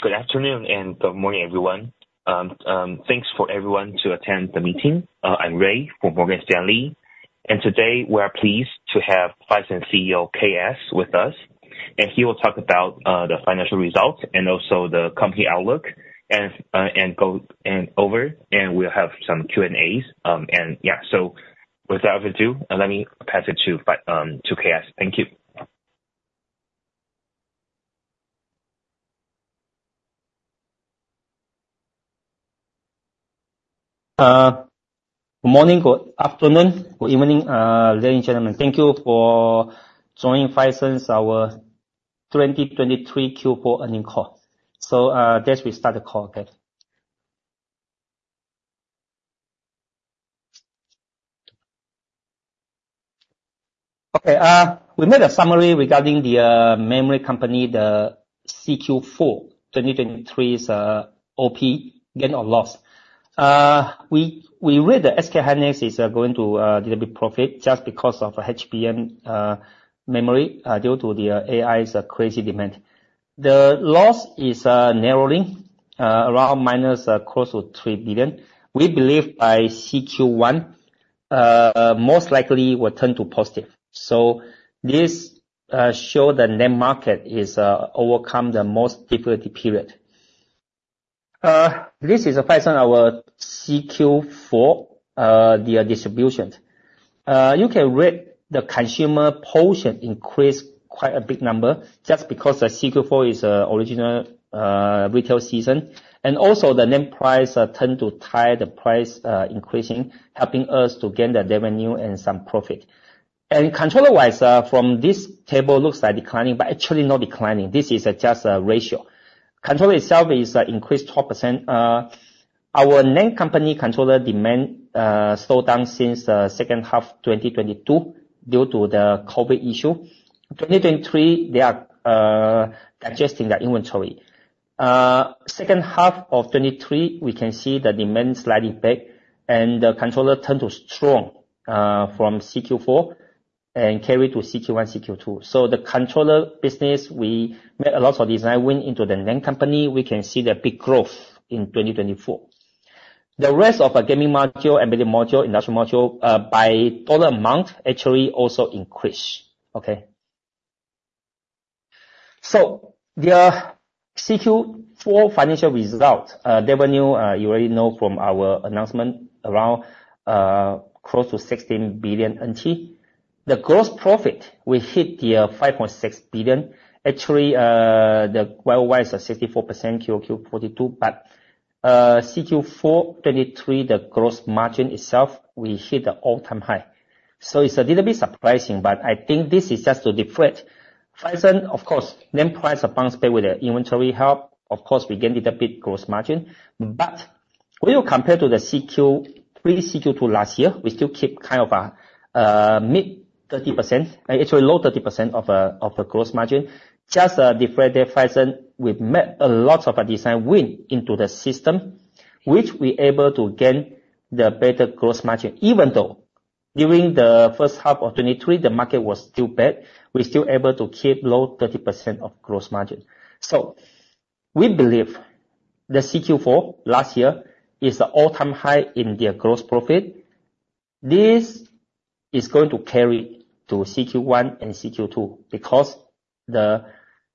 Good afternoon and good morning, everyone. Thanks for everyone to attend the meeting. I'm Ray for Morgan Stanley. Today we are pleased to have Phison CEO K.S. with us. He will talk about the financial results and also the company outlook and go over and we'll have some Q&As. Yeah. Without further ado, let me pass it to Phison to K.S. Thank you. Good morning. Good afternoon. Good evening, ladies and gentlemen. Thank you for joining Phison's our 2023 Q4 earnings call. So, let's restart the call, okay? Okay. We made a summary regarding the memory company, the Q4 2023's OP gain or loss. We read that SK Hynix is going to deliver profit just because of HBM memory due to the AI's crazy demand. The loss is narrowing around -3 billion. We believe by Q1 most likely will turn to positive. So this shows the NAND market is overcome the most difficult period. This is Phison our Q4 the distribution. You can read the consumer portion increase quite a big number just because the Q4 is original retail season. And also the NAND price turned to the price increasing helping us to gain the revenue and some profit. Controller-wise, from this table looks like declining but actually not declining. This is just a ratio. Controller itself is increased 12%. Our NAND company controller demand slowed down since the second half 2022 due to the COVID issue. 2023, they are digesting the inventory. Second half of 2023, we can see the demand sliding back and the controller turned to strong, from Q4 and carried to Q1, Q2. So the controller business, we made a lot of design win into the NAND company. We can see the big growth in 2024. The rest of gaming module, embedded module, industrial module, by dollar amount actually also increased, okay? So the Q4 financial result, revenue, you already know from our announcement around close to 16 billion NT. The gross profit, we hit the 5.6 billion. Actually, the YoY is 64% QoQ 42%. Q4 2023, the gross margin itself, we hit the all-time high. So it's a little bit surprising but I think this is just to deflate. Phison, of course, NAND price bounced back with the inventory help. Of course, we gained a little bit gross margin. But when you compare to the Q3, Q2 last year, we still keep kind of a mid 30%, actually low 30% of the gross margin. Just, deflated Phison. We've made a lot of design win into the system, which we're able to gain the better gross margin. Even though during the first half of 2023, the market was still bad, we're still able to keep low 30% of gross margin. So we believe the Q4 last year is the all-time high in the gross profit. This is going to carry to Q1 and Q2 because the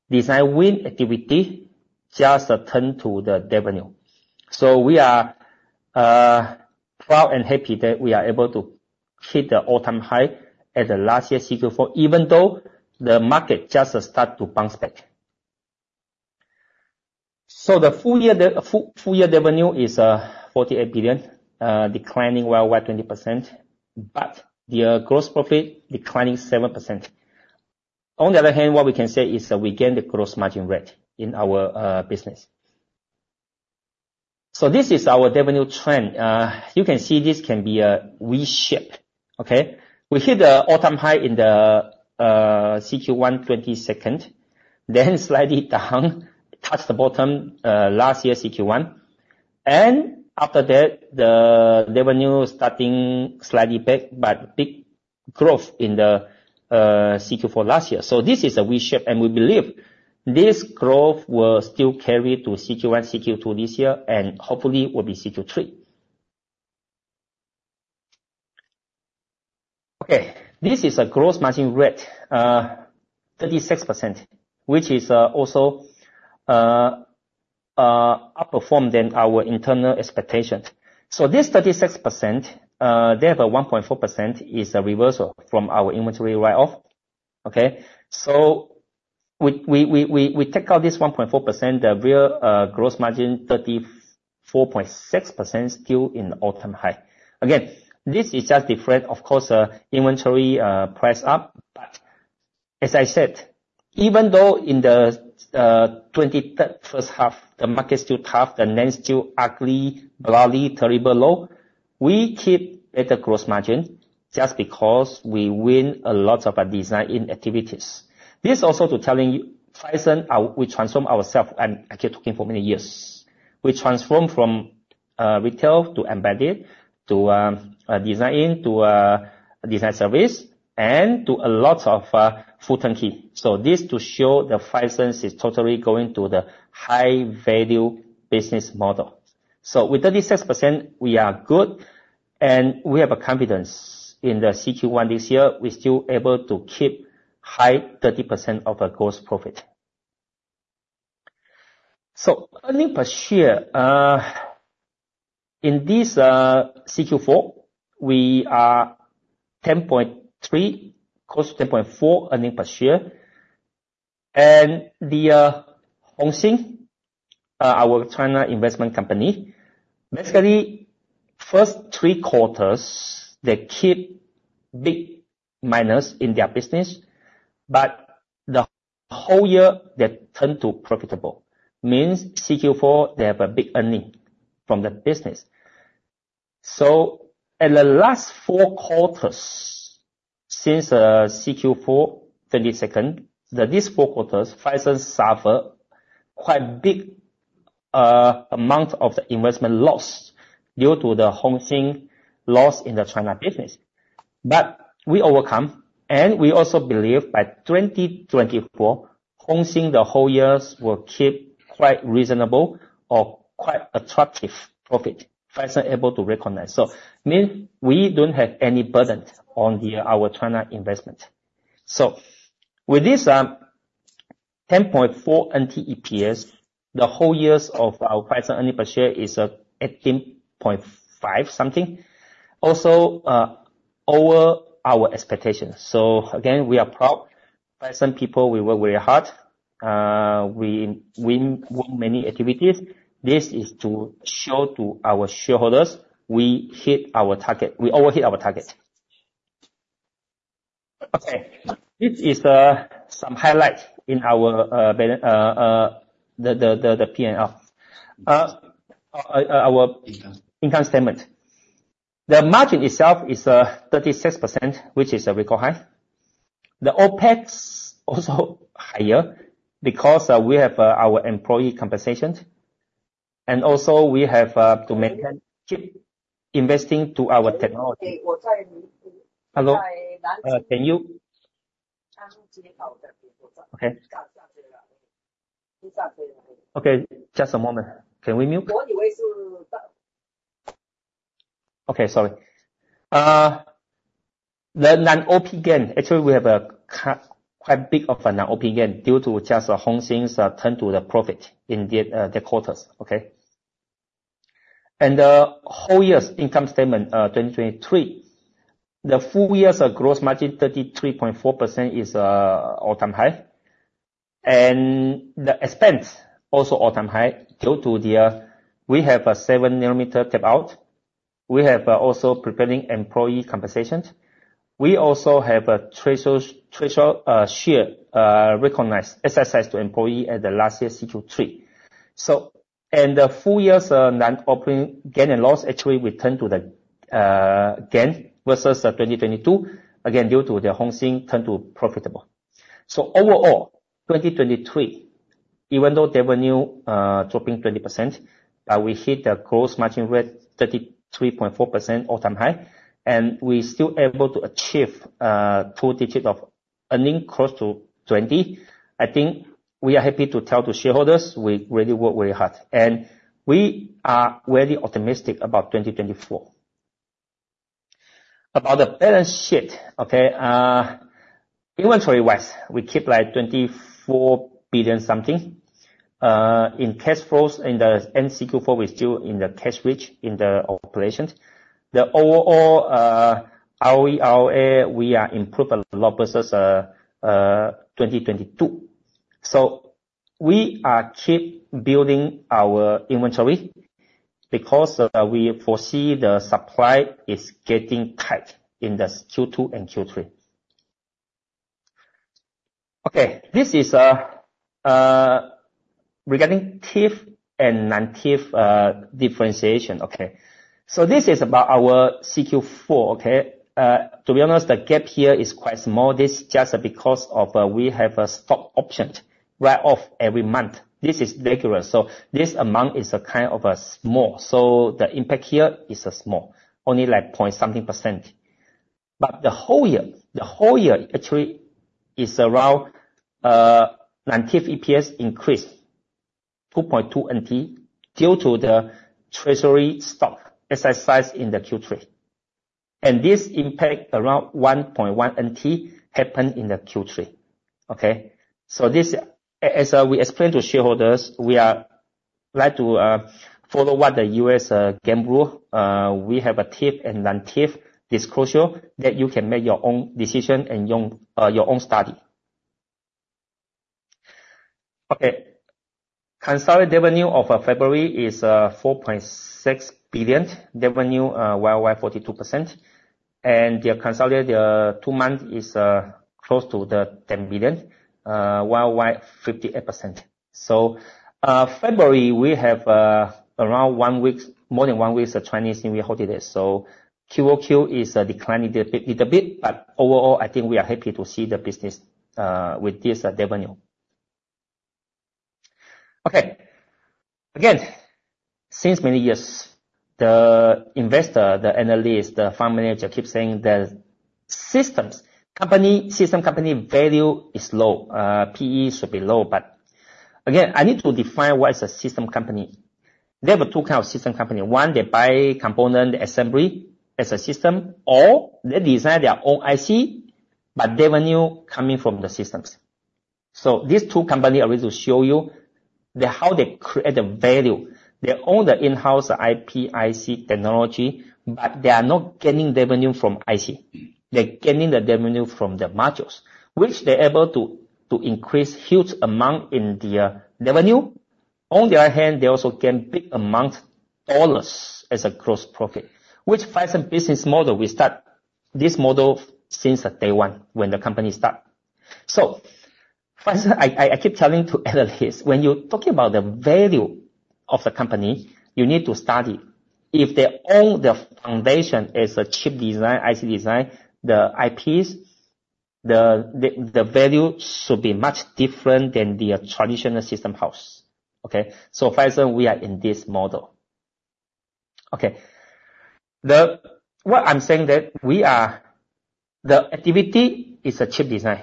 design win activity just turned to the revenue. So we are proud and happy that we are able to hit the all-time high at last year's Q4 even though the market just started to bounce back. So the full year the full year revenue is 48 billion, declining YoY 20%. But the gross profit declining 7%. On the other hand, what we can say is we gained the gross margin rate in our business. So this is our revenue trend. You can see this can be a V-shape, okay? We hit the all-time high in the Q1 2022, then slid down, touched the bottom, last year's Q1. And after that, the revenue starting sliding back but big growth in the Q4 last year. So this is a V-shape and we believe this growth will still carry to CQ1, CQ2 this year and hopefully will be CQ3. Okay. This is a gross margin rate, 36%, which is also outperformed than our internal expectations. So this 36%, there's a 1.4% is a reversal from our inventory write-off, okay? So we take out this 1.4%, the real gross margin, 34.6% still in the all-time high. Again, this is just deflate. Of course, inventory price up. But as I said, even though in the first half of 2024, the market's still tough, the NAND's still ugly, blurry, terrible low, we keep better gross margin just because we win a lot of design-in activities. This is also to telling you, Phison, we transform ourselves. I'm actually talking for many years. We transform from retail to embedded to design-in to design service and to a lot of full turnkey. So this to show that Phison is totally going to the high-value business model. So with 36%, we are good and we have confidence in the CQ1 this year. We're still able to keep high 30% of our gross profit. So earning per share in this CQ4 we are 10.3, close to 10.4 earning per share. And the Hosin, our China investment company, basically first three quarters, they keep big minus in their business. But the whole year, they turned to profitable. Means CQ4, they have a big earning from the business. So in the last four quarters since CQ4 2022, this four quarters, Phison suffered quite big amount of the investment loss due to the Hosin loss in the China business. But we overcome and we also believe by 2024, on the whole the year will keep quite reasonable or quite attractive profit. Phison able to recognize. So means we don't have any burden on our China investment. So with this, 10.4 EPS, the whole years of our Phison earning per share is 18.5 something. Also over our expectations. So again, we are proud. Phison people, we work very hard. We won many activities. This is to show to our shareholders we hit our target. We overhit our target. Okay. This is some highlights in our the P&L, our income statement. The margin itself is 36%, which is a record high. The OpEx also higher because we have our employee compensation. And also we have to keep investing to our technology. Okay. Just a moment. Can we mute? Okay. Sorry. The non-OP gain, actually we have a quite big of a non-OP gain due to just SK Hynix's turn to the profit in the quarters, okay? And the whole year's income statement, 2023, the full year's gross margin 33.4% is, all-time high. And the expense also all-time high due to the we have a 7 nm tape-out. We have, also preparing employee compensation. We also have a restricted, share, recognized, exercised to employee at the last year's Q3. So and the full year's, net operating gain and loss, actually returned to the, gain versus, 2022, again due to the SK Hynix turn to profitable. So overall, 2023, even though revenue, dropping 20%, but we hit the gross margin rate 33.4% all-time high and we're still able to achieve, two digits of earning close to 20, I think we are happy to tell to shareholders we really work very hard. We are very optimistic about 2024. About the balance sheet, okay? Inventory-wise, we keep like 24 billion something. In cash flows in the end Q4, we're still in the cash rich in the operations. The overall ROE, ROA, we are improved a lot versus 2022. So we are keep building our inventory because we foresee the supply is getting tight in the Q2 and Q3. Okay. This is regarding T-IFRS and non-T-IFRS differentiation, okay? So this is about our Q4, okay? To be honest, the gap here is quite small. This is just because of we have a stock option write-off every month. This is regular. So this amount is a kind of a small. So the impact here is small, only like 0.something%. But the whole year, the whole year actually is around non-T-IFRS EPS increased 2.2 NT due to the treasury stock exercised in the Q3. And this impact around 1.1 NT happened in the Q3, okay? So this, as we explained to shareholders, we are like to follow what the U.S. game rule. We have a T-IFRS and non-T-IFRS, this crucial that you can make your own decision and your own study. Okay. Consolidated revenue of February is 4.6 billion. Revenue YoY 42%. And the consolidated two months is close to 10 billion, YoY 58%. So February we have around one week, more than one week's Chinese New Year holiday. So QOQ is declining a little bit. But overall, I think we are happy to see the business with this revenue. Okay. Again, since many years, the investor, the analyst, the fund manager keeps saying that systems, company system company value is low. PE should be low. But again, I need to define what is a system company. There are two kind of system company. One, they buy component, assembly as a system, or they design their own IC but revenue coming from the systems. So these two companies are ready to show you how they create the value. They own the in-house IP, IC technology but they are not gaining revenue from IC. They're gaining the revenue from the modules, which they're able to to increase huge amount in their revenue. On the other hand, they also gain big amount dollars as a gross profit, which Phison business model, we start this model since day one when the company start. So Phison, I keep telling to analysts, when you're talking about the value of the company, you need to study. If they own the foundation as a chip design, IC design, the IPs, the value should be much different than the traditional system house, okay? So Phison, we are in this model. Okay. What I'm saying that we are the activity is a chip design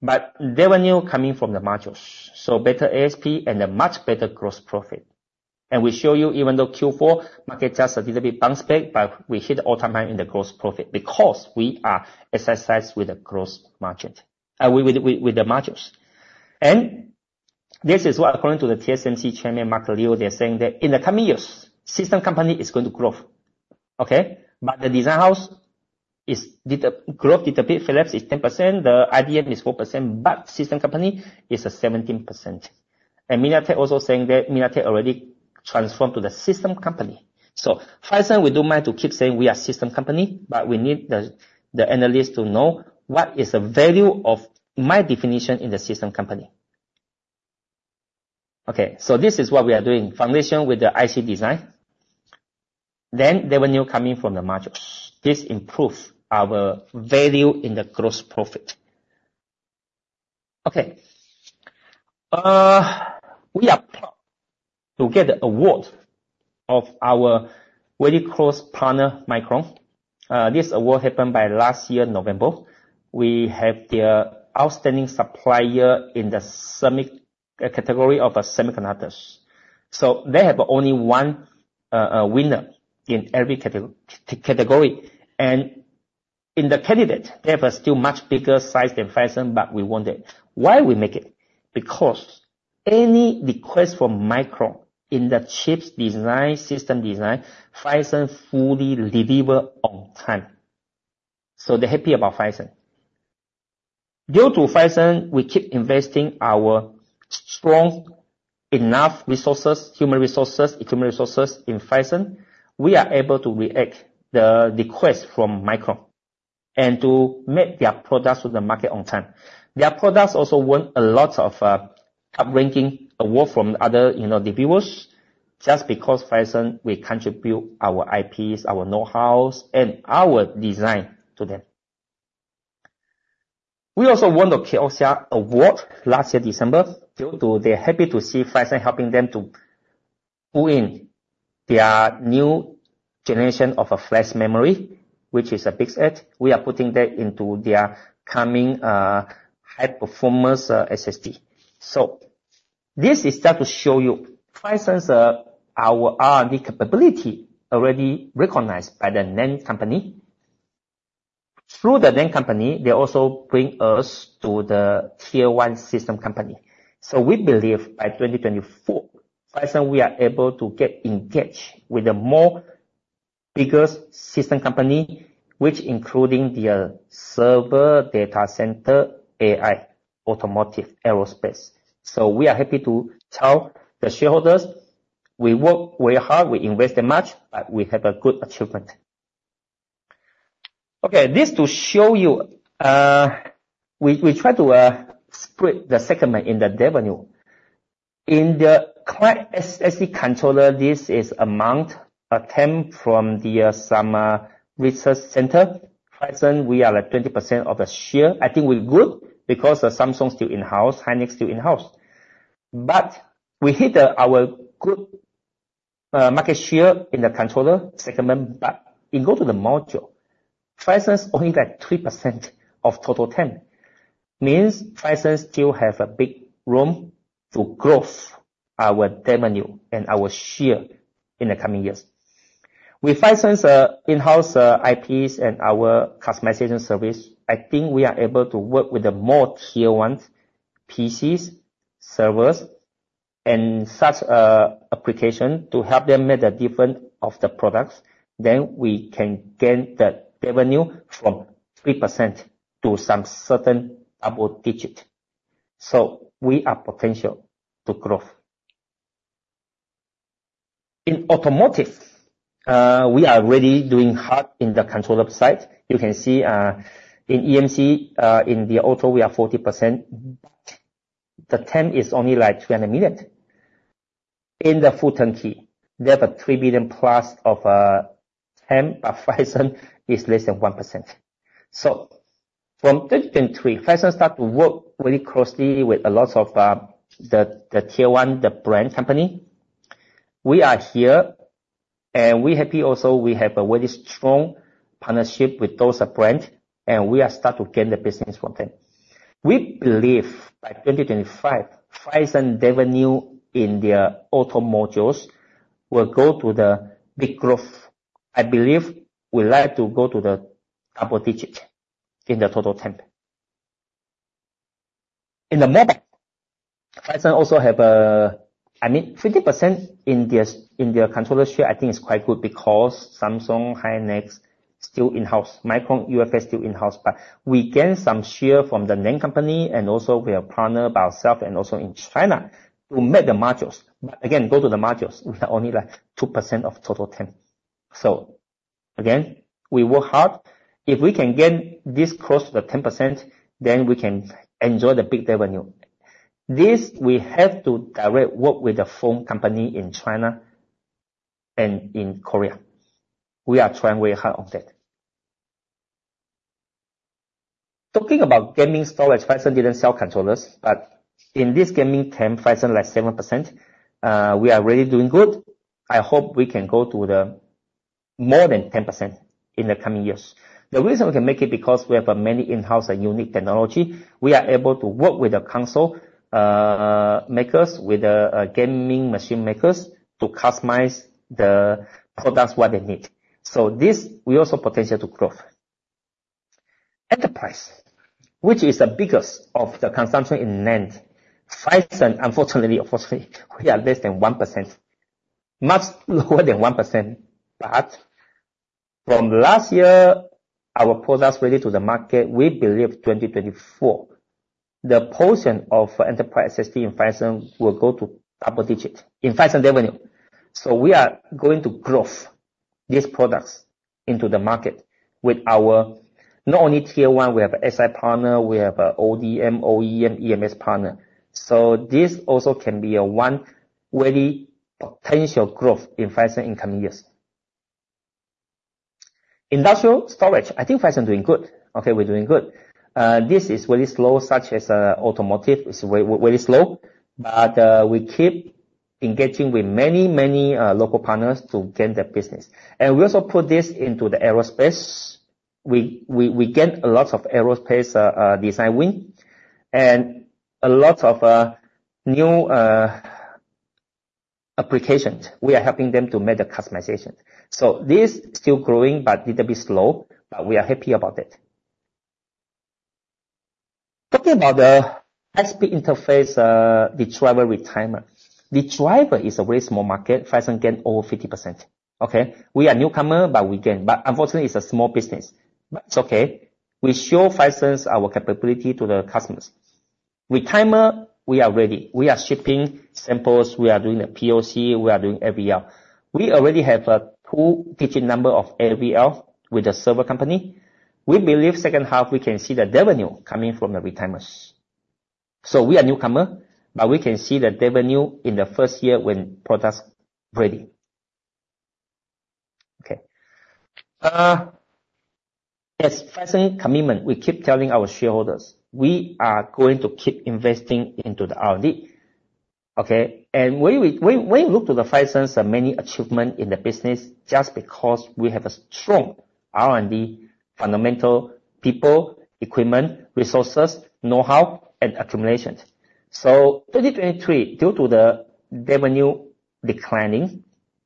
but revenue coming from the modules. So better ASP and a much better gross profit. And we show you even though Q4, market just a little bit bounced back but we hit all-time high in the gross profit because we are exercised with the gross margin with the modules. And this is what according to the TSMC chairman, Mark Liu, they're saying that in the coming years, system company is going to grow, okay? But the design house is growth a little bit. Fabless is 10%. The IDM is 4% but system company is 17%. And MediaTek also saying that MediaTek already transformed to the system company. So Phison, we don't mind to keep saying we are system company but we need the analysts to know what is the value of my definition in the system company. Okay. So this is what we are doing. Foundation with the IC design. Then revenue coming from the modules. This improves our value in the gross profit. Okay. We are proud to get the award of our very close partner, Micron. This award happened by last year November. We have the outstanding supplier in the category of semiconductors. So they have only one, winner in every category. And in the candidate, they have a still much bigger size than Phison but we won that. Why we make it? Because any request from Micron in the chips design, system design, Phison fully deliver on time. So they're happy about Phison. Due to Phison, we keep investing our strong enough resources, human resources, equipment resources in Phison. We are able to react the request from Micron and to make their products to the market on time. Their products also won a lot of, top-ranking award from other, you know, reviewers just because Phison, we contribute our IPs, our know-how, and our design to them. We also won the KIOXIA award last year December due to they're happy to see Phison helping them to pull in their new generation of a flash memory, which is a big step. We are putting that into their coming, high-performance, SSD. So this is just to show you Phison's, our R&D capability already recognized by the NAND company. Through the NAND company, they also bring us to the tier one system company. So we believe by 2024, Phison, we are able to get engaged with a more bigger system company, which including their server, data center, AI, automotive, aerospace. So we are happy to tell the shareholders we work very hard. We invest that much but we have a good achievement. Okay. This to show you, we try to split the segment in the revenue. In the client SSD controller, this is amount $10 from the Semico Research Center. Phison, we are like 20% of the share. I think we're good because Samsung still in-house, Hynix still in-house. But we hit our good market share in the controller segment but you go to the module, Phison's only like 3% of total $10. Means Phison still have a big room to grow our revenue and our share in the coming years. With Phison's in-house, IPs and our customization service, I think we are able to work with the more tier one PCs, servers, and such, application to help them make the difference of the products. Then we can gain the revenue from 3% to some certain double digit. So we are potential to growth. In automotive, we are already doing hard in the controller side. You can see, in eMMC, in the auto, we are 40% but the TAM is only like 200 million. In the full turnkey, they have a 3+ billion of, TAM but Phison is less than 1%. So from 2023, Phison start to work very closely with a lot of, the tier one, the brand company. We are here and we're happy also we have a very strong partnership with those brands and we are start to gain the business from them. We believe by 2025, Phison revenue in their auto modules will go to the big growth. I believe we like to go to the double digit in the total 10. In the mobile, Phison also have a, I mean, 50% in their controller share I think is quite good because Samsung, Hynix still in-house, Micron, UFS still in-house. But we gain some share from the NAND company and also we are partnered by ourselves and also in China to make the modules. But again, go to the modules, we are only like 2% of total 10. So again, we work hard. If we can gain this close to the 10%, then we can enjoy the big revenue. This, we have to directly work with the phone company in China and in Korea. We are trying very hard on that. Talking about gaming storage, Phison didn't sell controllers but in this gaming camp, Phison like 7%. We are really doing good. I hope we can go to more than 10% in the coming years. The reason we can make it because we have many in-house and unique technology. We are able to work with the console makers, with the gaming machine makers to customize the products what they need. So this, we also potential to growth. Enterprise, which is the biggest of the consumption in NAND, Phison, unfortunately, we are less than 1%, much lower than 1%. But from last year, our products ready to the market, we believe 2024, the portion of enterprise SSD in Phison will go to double digit in Phison revenue. So we are going to grow these products into the market with our not only tier one, we have a SI partner, we have an ODM, OEM, EMS partner. So this also can be one very potential growth in Phison in coming years. Industrial storage, I think Phison doing good, okay? We're doing good. This is very slow such as, automotive is very slow. But we keep engaging with many, many local partners to gain the business. And we also put this into the aerospace. We gain a lot of aerospace design win and a lot of new applications. We are helping them to make the customization. So this is still growing but a little bit slow but we are happy about that. Talking about the High-Speed interface, the Retimer, the Retimer is a very small market. Phison gain over 50%, okay? We are newcomer but we gain. But unfortunately, it's a small business. But it's okay. We show Phison's, our capability to the customers. Retimer, we are ready. We are shipping samples. We are doing the POC. We are doing AVL. We already have a two-digit number of AVL with the server company. We believe second half we can see the revenue coming from the Retimers. So we are newcomer but we can see the revenue in the first year when products ready. Okay. Yes, Phison commitment. We keep telling our shareholders we are going to keep investing into the R&D, okay? And when you look to the Phison's many achievements in the business just because we have a strong R&D fundamental people, equipment, resources, know-how, and accumulation. So 2023, due to the revenue declining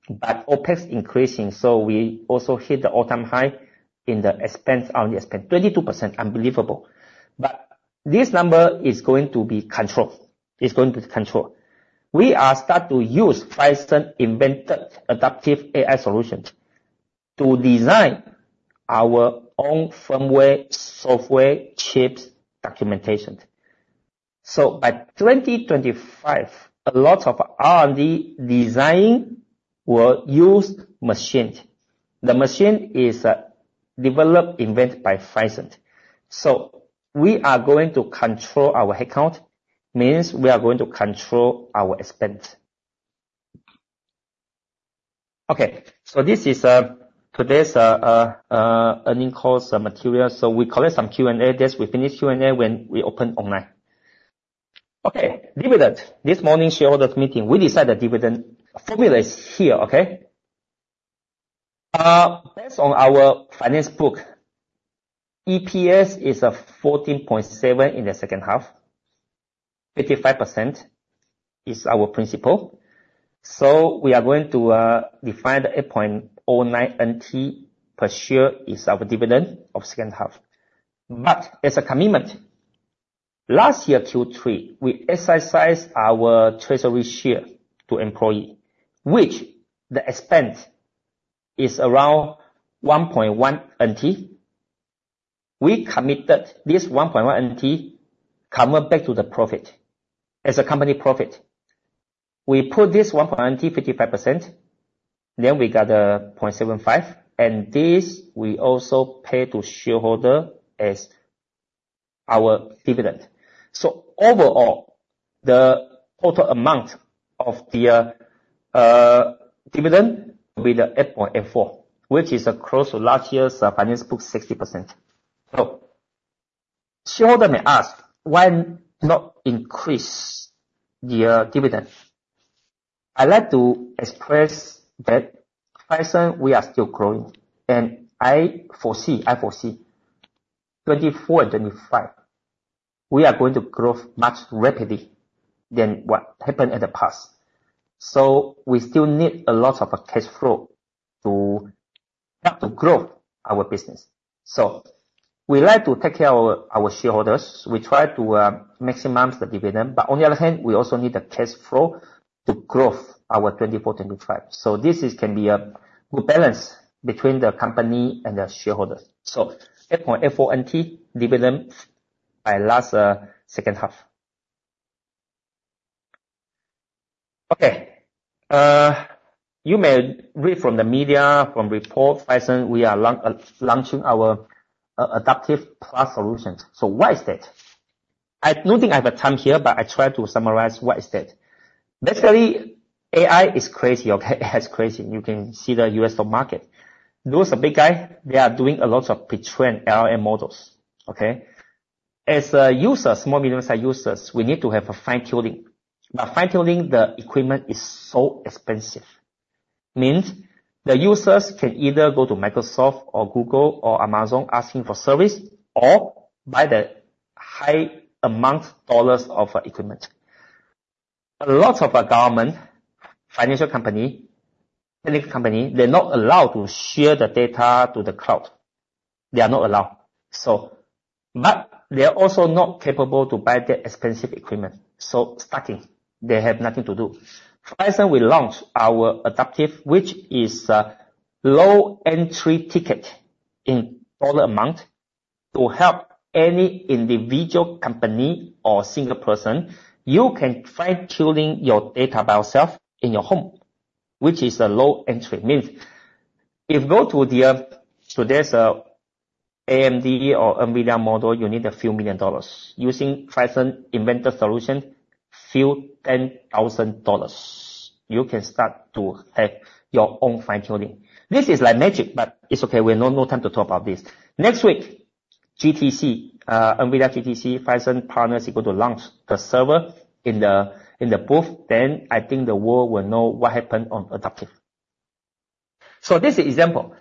but OpEx increasing. So we also hit the all-time high in the expenses, R&D expense, 22%. Unbelievable. But this number is going to be controlled. It's going to be controlled. We are start to use Phison invented aiDAPTIV+ AI solution to design our own firmware, software, chips, documentation. So by 2025, a lot of R&D designing will use machines. The machine is developed, invented by Phison. So we are going to control our headcount. Means we are going to control our expense. Okay. So this is today's earnings call material. So we collect some Q&A. Yes, we finish Q&A when we open online. Okay. Dividend. This morning shareholders meeting, we decide the dividend formula is here, okay? Based on our finance book, EPS is 14.7% in the second half. 55% is our principal. So we are going to define the 8.09 NT per share is our dividend of second half. But as a commitment, last year Q3, we exercised our treasury share to employee, which the expense is around 1.1 NT. We committed this 1.1 NT to cover back to the profit as a company profit. We put this 1.1, 55%, then we got the 0.75%. And this we also pay to shareholder as our dividend. So overall, the total amount of their dividend will be the 8.84%, which is close to last year's finance book, 60%. So shareholder may ask, why not increase their dividend? I like to express that Phison, we are still growing. And I foresee, I foresee 2024 and 2025, we are going to growth much rapidly than what happened at the past. So we still need a lot of cash flow to help to growth our business. So we like to take care of our shareholders. We try to maximize the dividend. But on the other hand, we also need the cash flow to growth our 2024, 2025. So this can be a good balance between the company and the shareholders. So 8.84 dividend by last second half. Okay. You may read from the media, from report, Phison, we are launching our aiDAPTIV+ solutions. So why is that? I don't think I have a time here but I try to summarize why is that. Basically, AI is crazy, okay? AI is crazy. You can see the U.S. stock market. Those are big guys. They are doing a lot of pre-trained LLM models, okay? As users, small, medium-sized users, we need to have a fine-tuning. But fine-tuning, the equipment is so expensive. Means the users can either go to Microsoft or Google or Amazon asking for service or buy the high amount dollars of equipment. A lot of our government, financial company, tech company they're not allowed to share the data to the cloud. They are not allowed. So but they're also not capable to buy that expensive equipment. So stuck. They have nothing to do. Phison, we launched our aiDAPTIV+, which is a low-entry ticket in dollar amount to help any individual company or single person, you can fine-tuning your data by yourself in your home, which is a low entry. Means if you go to their today's, AMD or NVIDIA model, you need a few million dollars. Using Phison invented solution, a few $10,000, you can start to have your own fine-tuning. This is like magic but it's okay. We have no time to talk about this. Next week, GTC, NVIDIA GTC, Phison partners is going to launch the server in the in the booth. Then I think the world will know what happened on aiDAPTIV+. So this is example.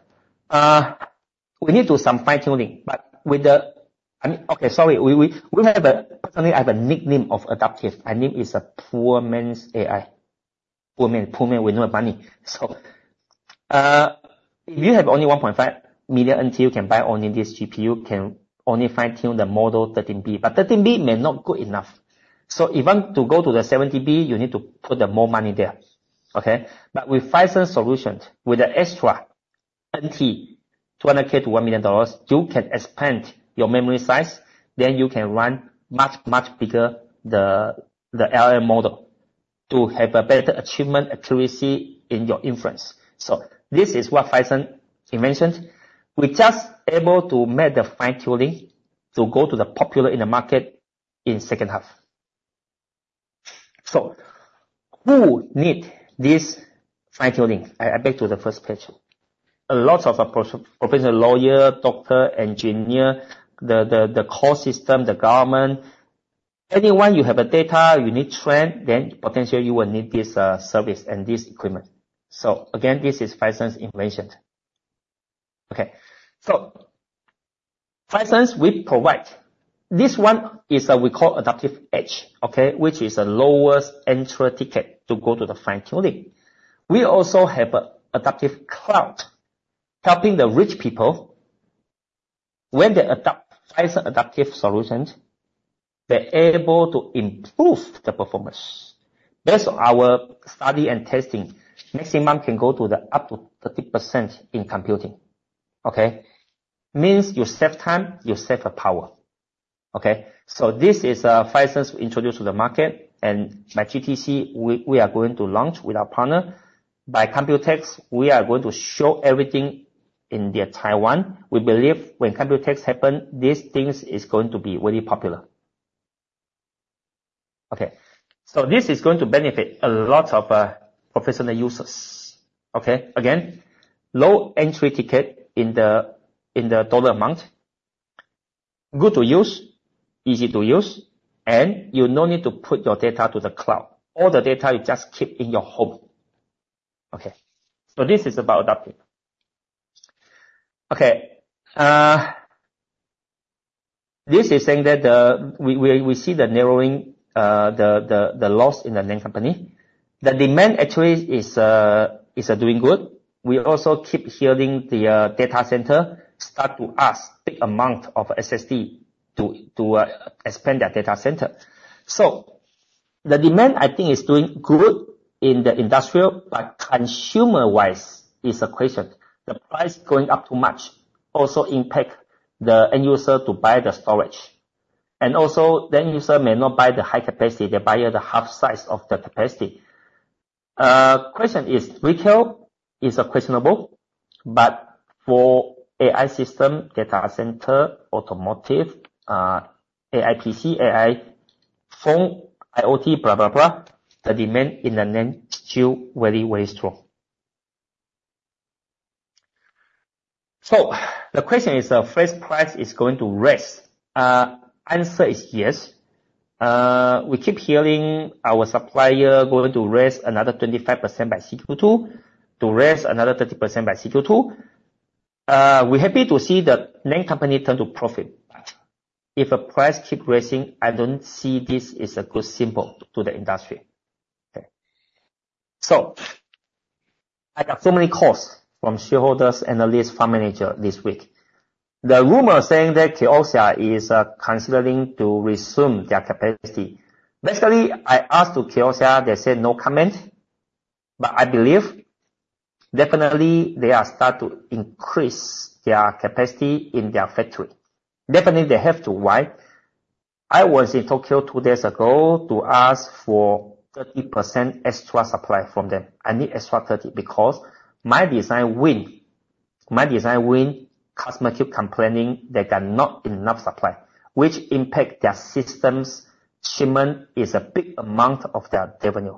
We need to do some fine-tuning but with the—I mean, okay, sorry. We have. Personally, I have a nickname of aiDAPTIV+. I name it a poor man's AI. Poor man, poor man. We don't have money. So, if you have only 1.5 million, you can buy only this GPU, can only fine-tune the model 13B. But 13B may not good enough. So even to go to the 70B, you need to put more money there, okay? But with Phison solution, with the extra 200,000-1 million dollars, you can expand your memory size. Then you can run much, much bigger the LLM model to have a better achievement accuracy in your inference. So this is what Phison invention. We just able to make the fine-tuning to go to the popular in the market in second half. So who need this fine-tuning? I back to the first page. A lot of professional lawyer, doctor, engineer, the, the, the call system, the government, anyone you have a data, you need trend, then potentially you will need this, service and this equipment. So again, this is Phison's invention. Okay. So Phison, we provide this one is a we call aiDAPTIV+ edge, okay, which is a lowest entry ticket to go to the fine-tuning. We also have an aiDAPTIV+ cloud helping the rich people. When they adopt Phison aiDAPTIV+ solution, they're able to improve the performance. Based on our study and testing, maximum can go to the up to 30% in computing, okay? Means you save time, you save power, okay? So this is Phison introduced to the market. By GTC, we are going to launch with our partner. By Computex, we are going to show everything in Taiwan. We believe when Computex happen, these things is going to be very popular. Okay. So this is going to benefit a lot of professional users, okay? Again, low entry ticket in the dollar amount, good to use, easy to use, and you no need to put your data to the cloud. All the data, you just keep in your home, okay? So this is about aiDAPTIV+. Okay. This is saying that we see the narrowing, the loss in the NAND company. The demand actually is doing good. We also keep hearing the data center start to ask big amount of SSD to expand their data center. So the demand I think is doing good in the industrial but consumer-wise is a question. The price going up too much also impact the end user to buy the storage. And also the end user may not buy the high capacity. They buy the half size of the capacity. Question is retail is a questionable but for AI system, data center, automotive, AI PC, AI phone, IoT, blah, blah, blah, the demand in the end still very, very strong. So the question is, NAND price is going to rise? Answer is yes. We keep hearing our supplier going to raise another 25% by Q2, to raise another 30% by Q2. We're happy to see the NAND company turn to profit. But if the price keeps raising, I don't see this is a good symbol to the industry, okay? So I got so many calls from shareholders, analysts, fund manager this week. The rumor saying that KIOXIA is considering to resume their capacity. Basically, I asked to KIOXIA. They said no comment. But I believe definitely they are start to increase their capacity in their factory. Definitely they have to. Why? I was in Tokyo two days ago to ask for 30% extra supply from them. I need extra 30% because my design win. My design win. Customer keep complaining they got not enough supply, which impact their systems shipment is a big amount of their revenue.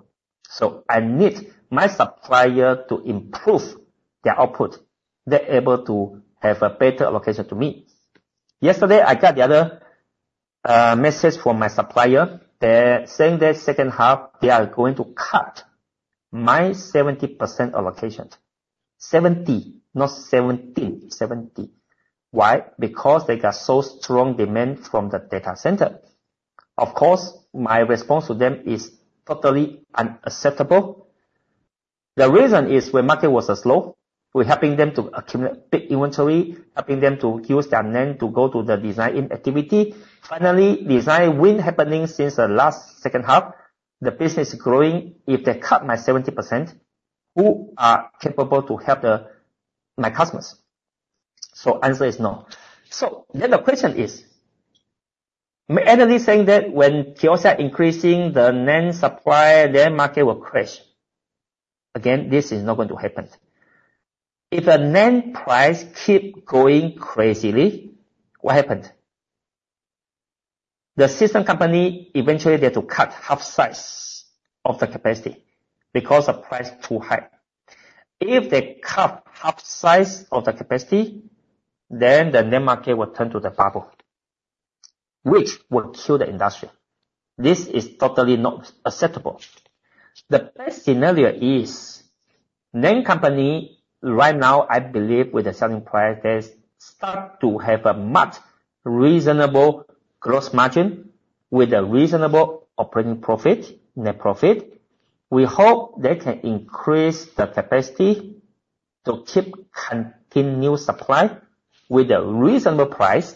So I need my supplier to improve their output. They're able to have a better allocation to me. Yesterday, I got the other, message from my supplier. They're saying their second half, they are going to cut my 70% allocation. 70%, not 17%. 70%. Why? Because they got so strong demand from the data center. Of course, my response to them is totally unacceptable. The reason is when market was slow, we're helping them to accumulate big inventory, helping them to use their NAND to go to the design-in activity. Finally, design win happening since the last second half. The business is growing. If they cut my 70%, who are capable to help my customers? So answer is no. So then the question is, my analyst saying that when KIOXIA increasing the NAND supply, their market will crash. Again, this is not going to happen. If the NAND price keep going crazily, what happened? The system company eventually they have to cut half size of the capacity because the price too high. If they cut half size of the capacity, then the NAND market will turn to the bubble, which will kill the industry. This is totally not acceptable. The best scenario is NAND company right now, I believe with the selling price, they start to have a much reasonable gross margin with a reasonable operating profit, net profit. We hope they can increase the capacity to keep continuous supply with a reasonable price.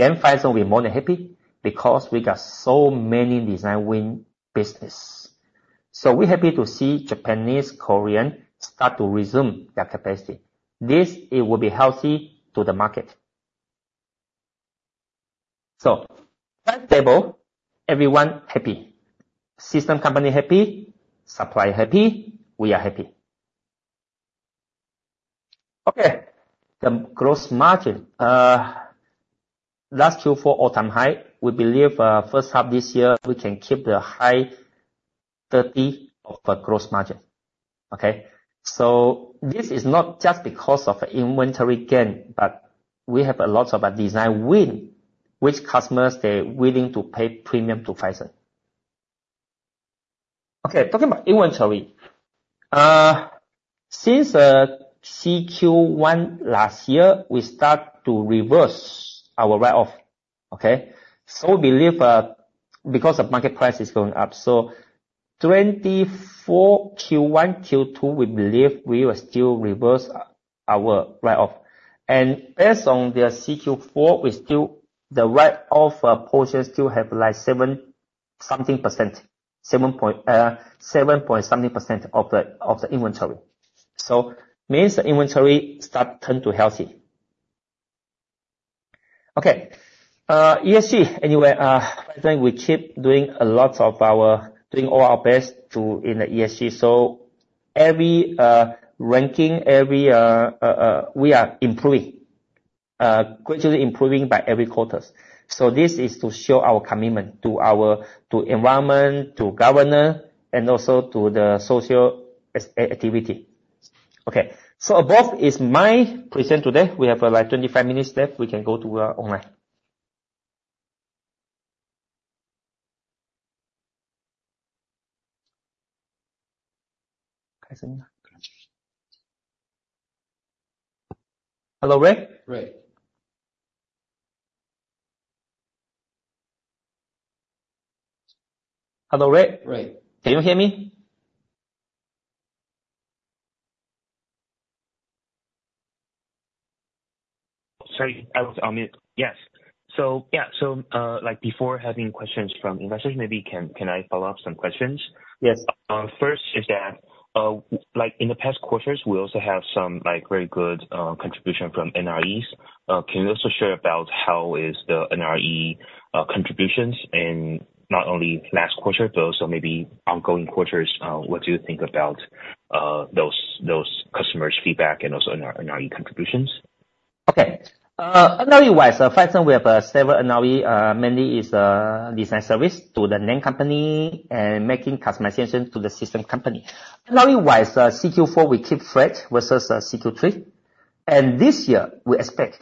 Then Phison will be more than happy because we got so many design win business. So we're happy to see Japanese, Korean start to resume their capacity. This, it will be healthy to the market. So price stable, everyone happy. System company happy, supplier happy, we are happy. Okay. The gross margin, last Q4 all-time high. We believe first half this year, we can keep the high 30% of gross margin, okay? So this is not just because of inventory gain but we have a lot of design win, which customers they're willing to pay premium to Phison. Okay. Talking about inventory, since Q1 last year, we start to reverse our write-off, okay? So we believe, because the market price is going up. So 2024 Q1, Q2, we believe we will still reverse our write-off. And based on their Q4, we still the write-off portion still have like 7-something%, 7.00%, 7.00% of the inventory. So means the inventory start turn to healthy. Okay. ESG anyway, Phison, we keep doing a lot, doing all our best to in the ESG. So every ranking, we are improving, gradually improving by every quarter. So this is to show our commitment to our environment, to governance, and also to the social activity. Okay. So above is my presentation today. We have like 25 minutes left. We can go to our online. Phison? Hello, Ray? Ray. Hello, Ray? Ray. Can you hear me? Sorry. I was on mute. Yes. So yeah. So, like before having questions from investors, maybe can I follow up some questions? Yes. First is that, like in the past quarters, we also have some like very good contribution from NREs. Can you also share about how is the NRE contributions in not only last quarter but also maybe ongoing quarters? What do you think about those customers' feedback and also NRE contributions? Okay. NRE-wise, Phison, we have several NRE. Mainly is design service to the NAND company and making customization to the system company. NRE-wise, Q4 we keep flat versus Q3. And this year, we expect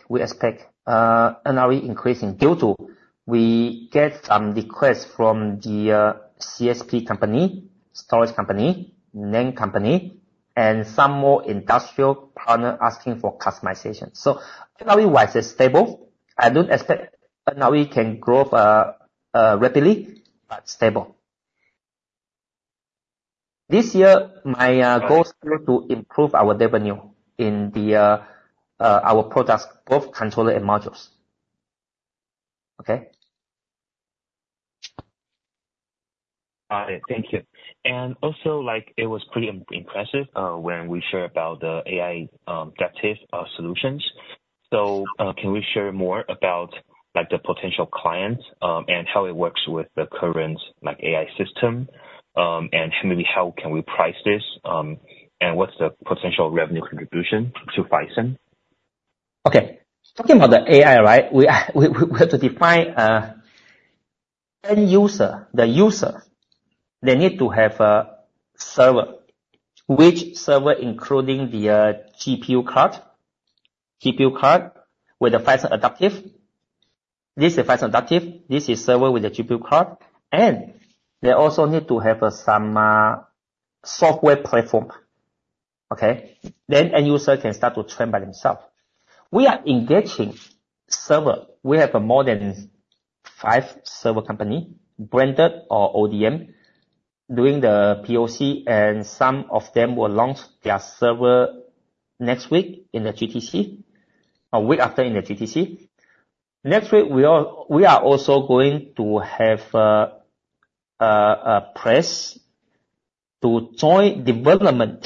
NRE increasing due to we get some requests from the CSP company, storage company, NAND company, and some more industrial partner asking for customization. So NRE-wise, it's stable. I don't expect NRE can grow rapidly, but stable. This year, my goal is to improve our revenue in our products, both controller and modules, okay? Got it. Thank you. And also, like, it was pretty impressive, when we share about the AI, aiDAPTIV+, solutions. So, can we share more about like the potential clients, and how it works with the current like AI system, and maybe how can we price this, and what's the potential revenue contribution to Phison? Okay. Talking about the AI, right, we have to define end user, the user, they need to have a server, which server including the GPU card, GPU card with the Phison aiDAPTIV+. This is Phison aiDAPTIV+. This is server with the GPU card. And they also need to have some software platform, okay? Then end user can start to train by themself. We are engaging server. We have more than five server companies, branded or ODM, doing the POC. Some of them will launch their server next week in the GTC or week after in the GTC. Next week, we are also going to have a partner to jointly develop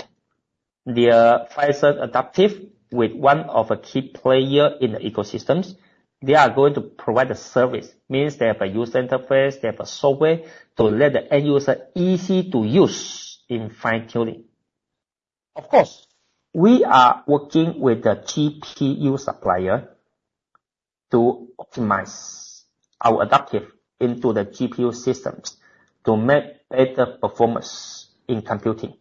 the Phison aiDAPTIV+ with one of the key players in the ecosystems. They are going to provide a service. Means they have a user interface. They have a software to let the end user easy to use in fine-tuning. Of course, we are working with the GPU supplier to optimize our aiDAPTIV+ into the GPU systems to make better performance in computing,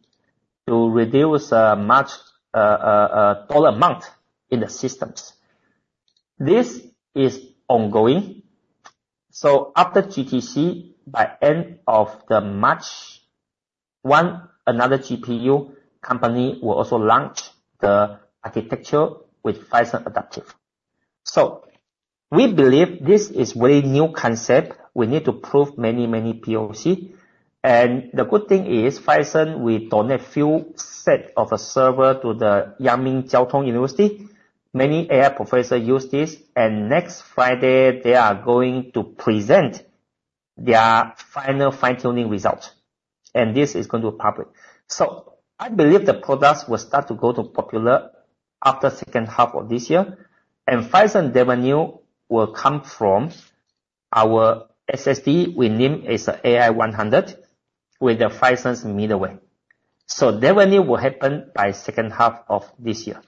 to reduce a much dollar amount in the systems. This is ongoing. After GTC, by end of the March, another GPU company will also launch the architecture with Phison aiDAPTIV+. We believe this is very new concept. We need to prove many, many POC. And the good thing is Phison, we donate few set of a server to the National Yang Ming Chiao Tung University. Many AI professors use this. And next Friday, they are going to present their final fine-tuning result. And this is going to be public. So I believe the products will start to go to popular after second half of this year. And Phison revenue will come from our SSD we name as AI100 with the Phison's middleware. So revenue will happen by second half of this year,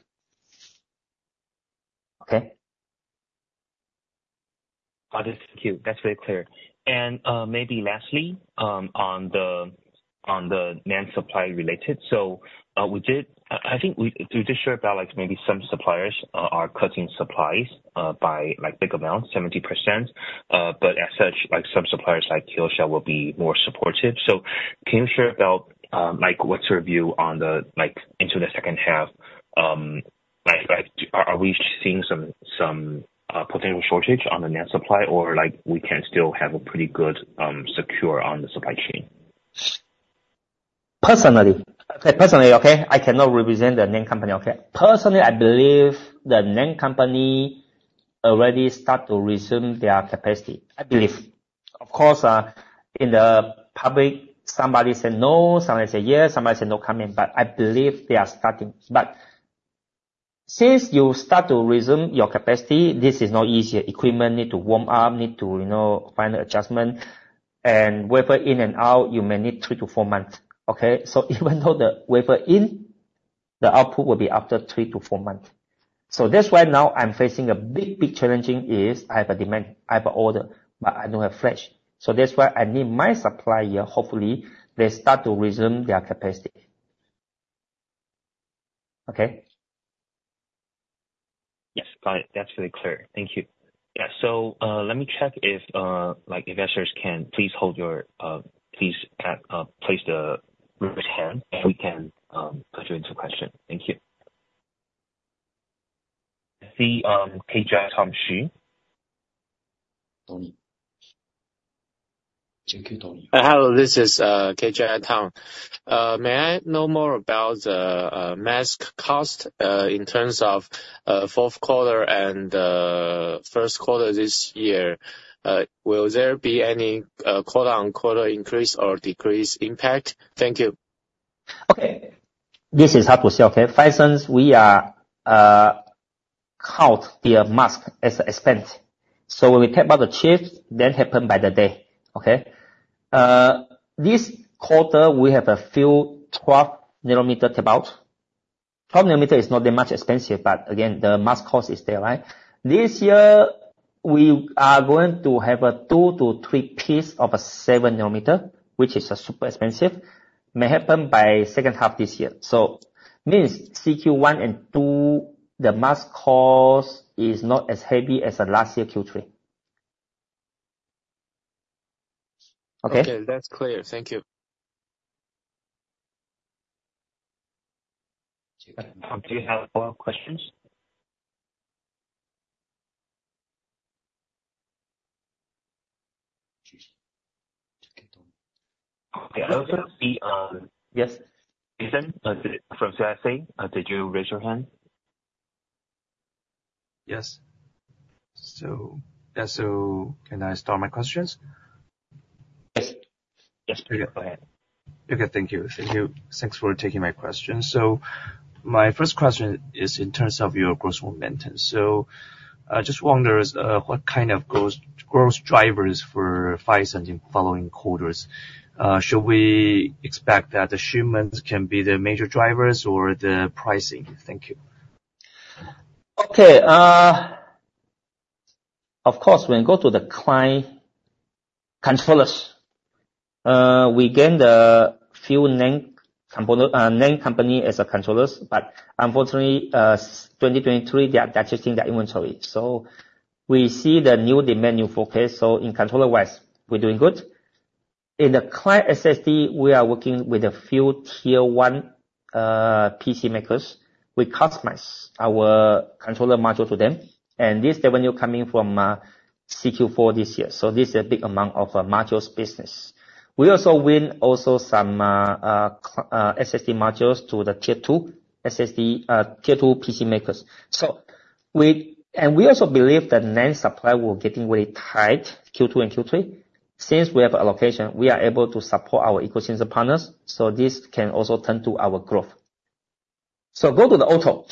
okay? Got it. Thank you. That's very clear. And, maybe lastly, on the NAND supply related, so, we did, I think, share about like maybe some suppliers are cutting supplies by like big amount, 70%. But as such, like some suppliers like KIOXIA will be more supportive. So can you share about, like, what's your view on, like, into the second half? Like, like, are we seeing some potential shortage on the NAND supply or like we can still have a pretty good, secure on the supply chain? Personally. Okay. Personally, okay? I cannot represent the NAND company, okay? Personally, I believe the NAND company already start to resume their capacity, I believe. Of course, in the public, somebody said no. Somebody said yes. Somebody said no comment. But I believe they are starting. But since you start to resume your capacity, this is not easier. Equipment need to warm up, need to, you know, final adjustment. And wafer in and out, you may need 3-4 months, okay? So even though the wafer in, the output will be after 3-4 months. So that's why now I'm facing a big, big challenge is I have a demand. I have an order, but I don't have flash. So that's why I need my supplier hopefully they start to resume their capacity, okay? Yes. Got it. That's very clear. Thank you. Yeah. So, let me check if, like, investors can please hold your, please, place the raised hand and we can, put you into question. Thank you. The, KGI, Tony Hsu. Tony. Thank you, Tony. Hello. This is, KGI, Tony. May I know more about the, mask cost, in terms of, fourth quarter and, first quarter this year? Will there be any, quarter-on-quarter increase or decrease impact? Thank you. Okay. This is hard to say, okay? Phison, we are, count their mask as expense. So when we tape-out the chip, then happen by the day, okay? This quarter, we have a few 12 nm tape-outs. 12 nm is not that much expensive. But again, the mask cost is there, right? This year, we are going to have a 2 to 3 piece of a 7 nm, which is super expensive. May happen by second half this year. So means Q1 and Q2, the mask cost is not as heavy as last year Q3, okay? Okay. That's clear. Thank you. Do you have follow-up questions? Okay. I also see, Jason from CLSA, did you raise your hand? Yes. So yeah. So can I start my questions? Yes. Yes. Okay. Go ahead. Okay. Thank you. Thank you. Thanks for taking my questions. So my first question is in terms of your growth momentum. So, just wonders, what kind of growth growth drivers for Phison in following quarters? Should we expect that the shipments can be the major drivers or the pricing? Thank you. Okay. Of course, when you go to the client controllers, we gain a few new component NAND companies as controllers. But unfortunately, 2023, they are adjusting their inventory. So we see the new demand, new focus. So in controller-wise, we're doing good. In the client SSD, we are working with a few Tier 1 PC makers. We customize our controller module to them. And this revenue coming from Q4 this year. So this is a big amount of modules business. We also win also some SSD modules to the Tier 2 SSD, Tier 2 PC makers. So we and we also believe the NAND supply will get very tight Q2 and Q3. Since we have allocation, we are able to support our ecosystem partners. So this can also turn to our growth. So go to the auto.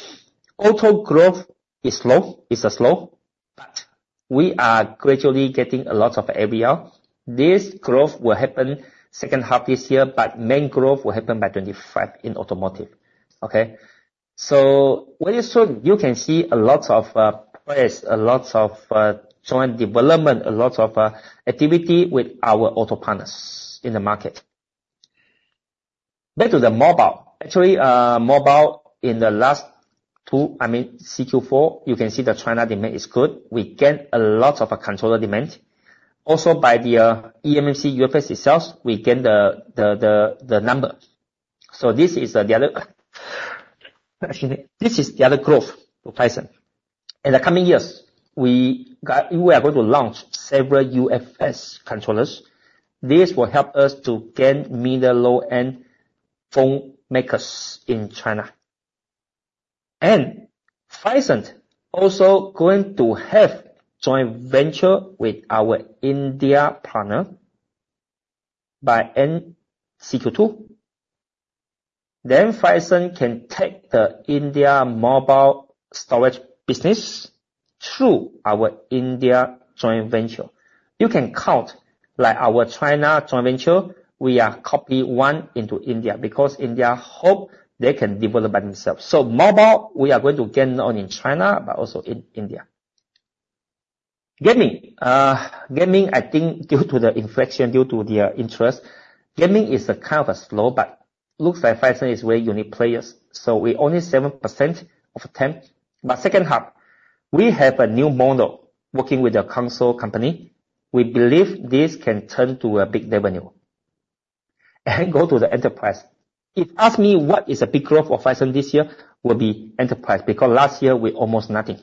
Auto growth is slow. It's slow. But we are gradually getting a lot of AVL. This growth will happen second half this year. But main growth will happen by 2025 in automotive, okay? So very soon, you can see a lot of press, a lot of joint development, a lot of activity with our auto partners in the market. Back to the mobile. Actually, mobile in the last two, I mean, Q4, you can see the China demand is good. We gain a lot of controller demand. Also by the eMMC UFS itself, we gain the number. So this is the other, actually, this is the other growth to Phison. In the coming years, we are going to launch several UFS controllers. This will help us to gain middle, low, end phone makers in China. And Phison also going to have joint venture with our India partner by end Q2. Then Phison can take the India mobile storage business through our India joint venture. You can count like our China joint venture, we are copying one into India because India hope they can develop by themselves. So mobile, we are going to gain not only in China but also in India. Gaming. Gaming, I think due to the inflection due to their interest, gaming is a kind of a slow but looks like Phison is very unique players. So we only 7% of attempt. But second half, we have a new model working with the console company. We believe this can turn to a big revenue and go to the enterprise. If you ask me what is a big growth for Phison this year, will be enterprise because last year, we almost nothing,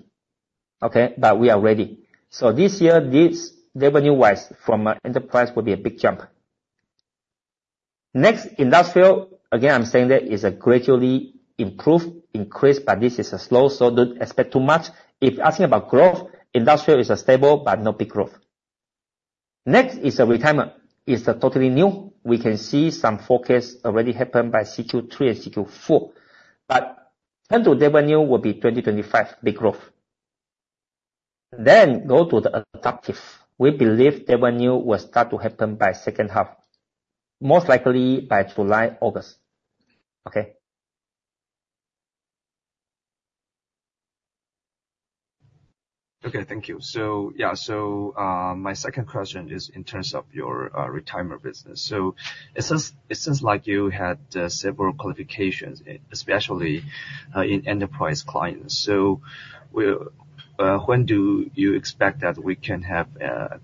okay? But we are ready. So this year, this revenue-wise from enterprise will be a big jump. Next, industrial, again, I'm saying that is a gradually improved, increased. But this is slow. So don't expect too much. If you're asking about growth, industrial is stable but no big growth. Next is enterprise. It's totally new. We can see some forecasts already happen by Q3 and Q4. But turn to revenue will be 2025, big growth. Then go to the aiDAPTIV+. We believe revenue will start to happen by second half, most likely by July, August, okay? Okay. Thank you. So yeah. So, my second question is in terms of your, enterprise business. So it seems like you had, several qualifications, especially, in enterprise clients. So, when do you expect that we can have,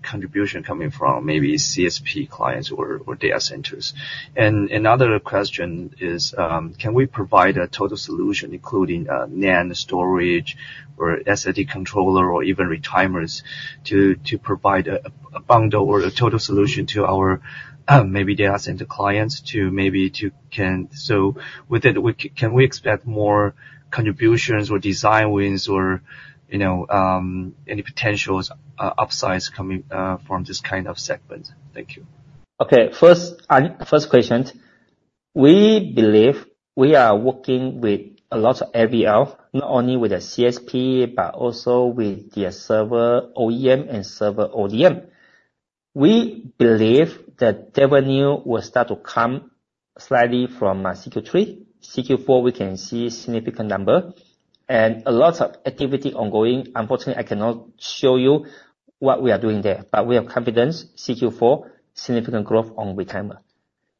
contribution coming from maybe CSP clients or, or data centers? And another question is, can we provide a total solution including NAND storage or SSD controller or even retimers to provide a bundle or a total solution to our maybe data center clients so with it we can expect more contributions or design wins or you know any potentials upsides coming from this kind of segment? Thank you. Okay. First question. We believe we are working with a lot of AVL, not only with the CSP but also with their server OEM and server ODM. We believe that revenue will start to come slightly from Q3. Q4, we can see significant number. And a lot of activity ongoing. Unfortunately, I cannot show you what we are doing there. But we have confidence Q4, significant growth on retimer.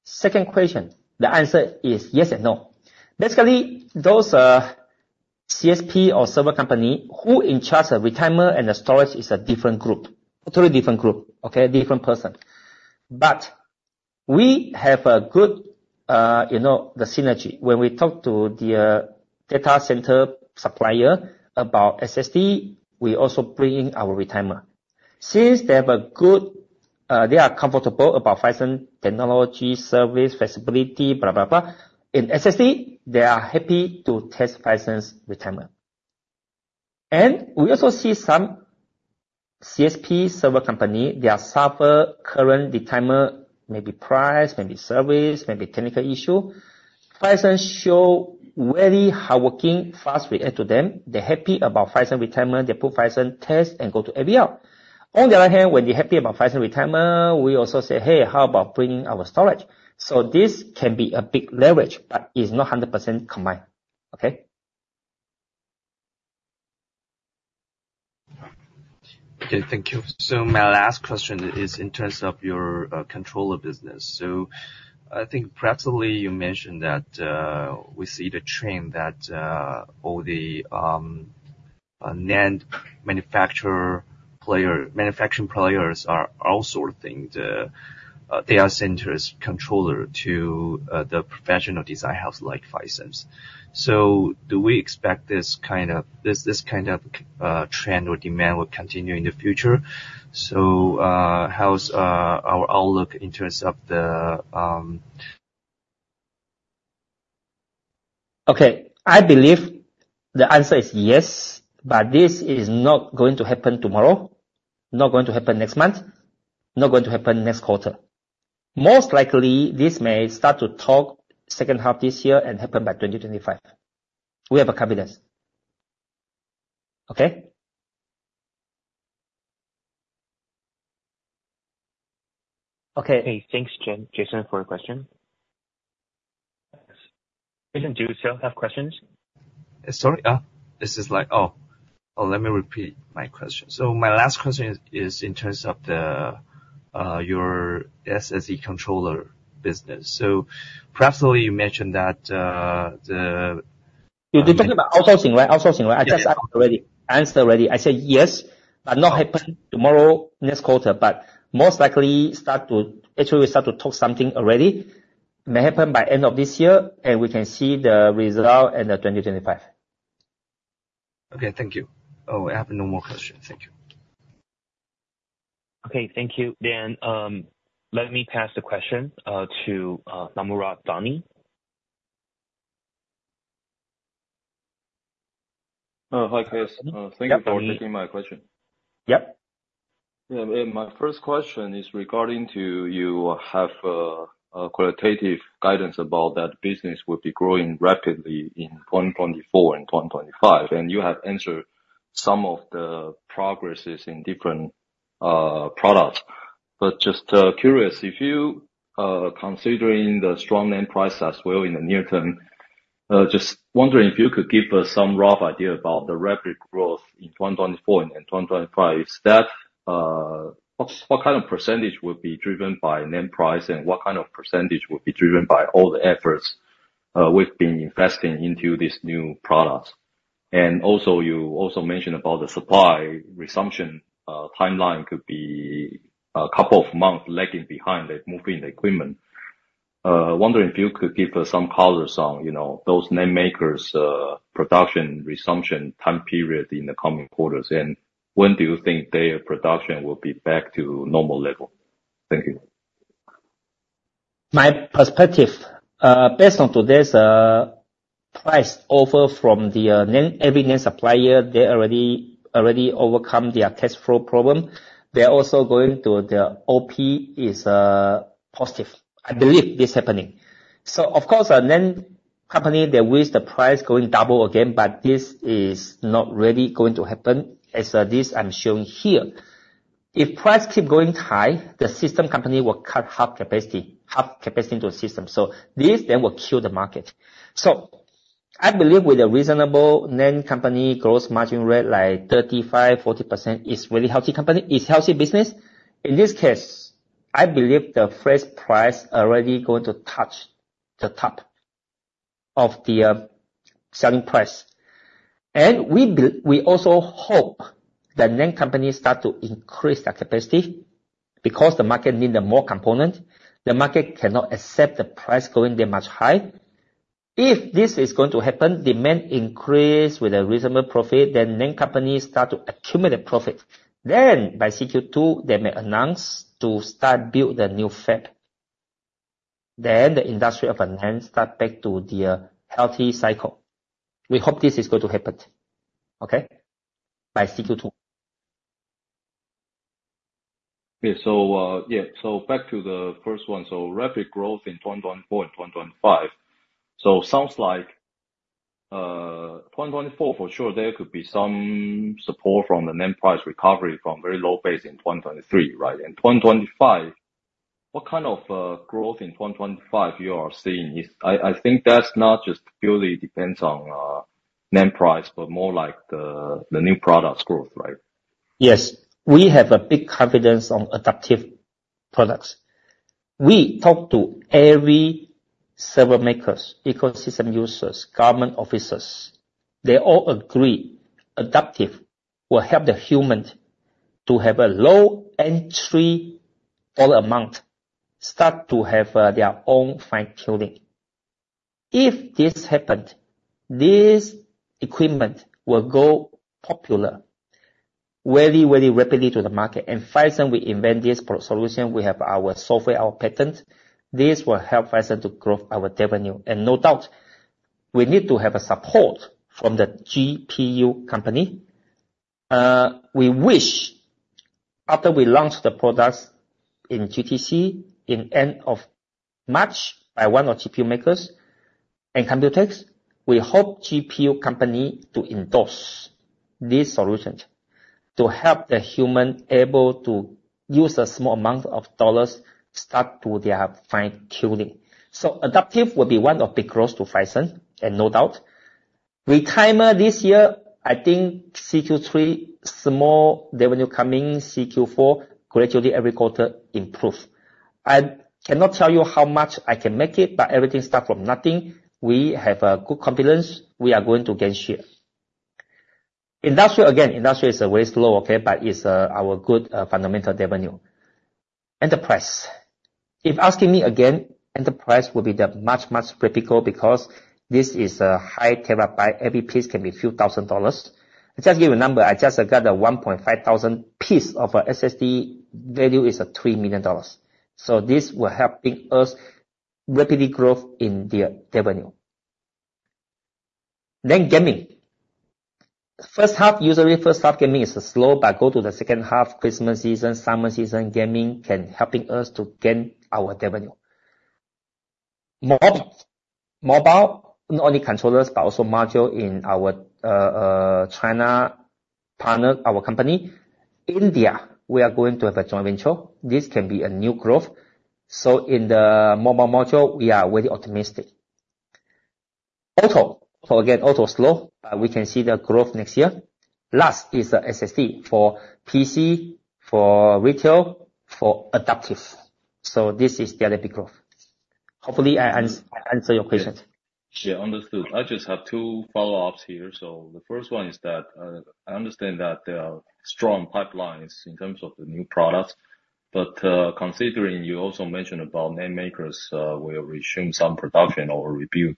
Second question. The answer is yes and no. Basically, those CSP or server company who in charge of retimer and the storage is a different group, totally different group, okay? Different person. But we have a good, you know, the synergy. When we talk to their data center supplier about SSD, we also bring in our retimer. Since they have a good, they are comfortable about Phison technology, service, flexibility, blah, blah, blah, in SSD, they are happy to test Phison's retimer. And we also see some CSP server company, their server current retimer, maybe price, maybe service, maybe technical issue, Phison show very hardworking, fast react to them. They're happy about Phison retimer. They put Phison test and go to AVL. On the other hand, when they're happy about Phison retimer, we also say, "Hey, how about bringing our storage?" So this can be a big leverage. But it's not 100% combined, okay? Okay. Thank you. So my last question is in terms of your controller business. So I think precisely you mentioned that we see the trend that all the NAND manufacturing players are outsourcing the data centers controller to the professional design house like Phison. So do we expect this kind of trend or demand will continue in the future? So, how's our outlook in terms of the? Okay. I believe the answer is yes. But this is not going to happen tomorrow, not going to happen next month, not going to happen next quarter. Most likely, this may start to talk second half this year and happen by 2025. We have confidence, okay? Okay. Okay. Thanks, Jason, for your question. Thanks. Jason, do you still have questions? Sorry. This is like, let me repeat my question. So my last question is in terms of the, your SSD controller business. So precisely you mentioned that, the. You're talking about outsourcing, right? Outsourcing, right? I just asked already. I answered already. I said yes. But not happen tomorrow, next quarter. But most likely, start to actually, we start to talk something already. May happen by end of this year. And we can see the result in the 2025. Okay. Thank you. Oh, I have no more questions. Thank you. Okay. Thank you. Then, let me pass the question, to, Nomura Donnie. Oh, hi, K.S. Thank you for taking my question. Yep. Yeah. My first question is regarding to you have, qualitative guidance about that business will be growing rapidly in 2024 and 2025. And you have answered some of the progresses in different, products. But just curious if you, considering the strong NAND price as well in the near term, just wondering if you could give us some rough idea about the rapid growth in 2024 and in 2025. Is that what kind of percentage will be driven by NAND price? And what kind of percentage will be driven by all the efforts we've been investing into this new product? And also you also mentioned about the supply resumption timeline could be a couple of months lagging behind at moving the equipment. Wondering if you could give us some color on, you know, those NAND makers' production resumption time period in the coming quarters. And when do you think their production will be back to normal level? Thank you. My perspective, based on today's price offer from their NAND, every NAND supplier, they already overcome their cash flow problem. They're also going to their OP is positive. I believe this happening. So of course, a NAND company, they wish the price going double again. But this is not really going to happen as this I'm showing here. If price keep going high, the system company will cut half capacity, half capacity into the system. So this then will kill the market. So I believe with a reasonable NAND company growth margin rate like 35%-40%, it's really healthy company is healthy business. In this case, I believe the flash price already going to touch the top of their selling price. And we believe we also hope that NAND company start to increase their capacity because the market need the more component. The market cannot accept the price going too much high. If this is going to happen, demand increase with a reasonable profit, then NAND company start to accumulate profit. Then by Q2, they may announce to start build the new fab. Then the industry of NAND start back to their healthy cycle. We hope this is going to happen, okay, by Q2. Okay. So, yeah. So back to the first one. So rapid growth in 2024 and 2025. So sounds like, 2024, for sure, there could be some support from the NAND price recovery from very low base in 2023, right? In 2025, what kind of, growth in 2025 you are seeing is I think that's not just purely depends on, NAND price but more like the, the new products growth, right? Yes. We have a big confidence on aiDAPTIV+ products. We talk to every server makers, ecosystem users, government officers. They all agree aiDAPTIV+ will help the human to have a low entry order amount, start to have their own fine-tuning. If this happened, this equipment will go popular very, very rapidly to the market. Phison, we invent this solution. We have our software, our patent. This will help Phison to grow our revenue. No doubt, we need to have support from the GPU company. We wish after we launch the products in GTC in end of March by one of GPU makers and Computex, we hope GPU company to endorse these solutions to help the human able to use a small amount of dollars, start to their fine-tuning. Adaptive will be one of big growth to Phison, and no doubt. Retimer this year, I think Q3, small revenue coming, Q4, gradually every quarter improve. I cannot tell you how much I can make it. But everything start from nothing. We have good confidence. We are going to gain share. Industry, again, industry is very slow, okay? But it's our good, fundamental revenue. Enterprise. If you're asking me again, enterprise will be the much, much replica because this is a high terabyte. Every piece can be a few thousand dollars. I just give you a number. I just got a 1,500-piece SSD value is a $3 million. So this will helping us rapidly growth in their revenue. Then gaming. First half usually, first half gaming is slow. But go to the second half, Christmas season, summer season, gaming can helping us to gain our revenue. Mobile. Mobile, not only controllers but also module in our China partner, our company. India, we are going to have a joint venture. This can be a new growth. So in the mobile module, we are very optimistic. Auto. Again, auto slow. But we can see the growth next year. Last is the SSD for PC, for retail, for aiDAPTIV+. So this is the other big growth. Hopefully, I answered your question. Yeah. Understood. I just have two follow-ups here. So the first one is that, I understand that there are strong pipelines in terms of the new products. But, considering you also mentioned about NAND makers will resume some production or rebuild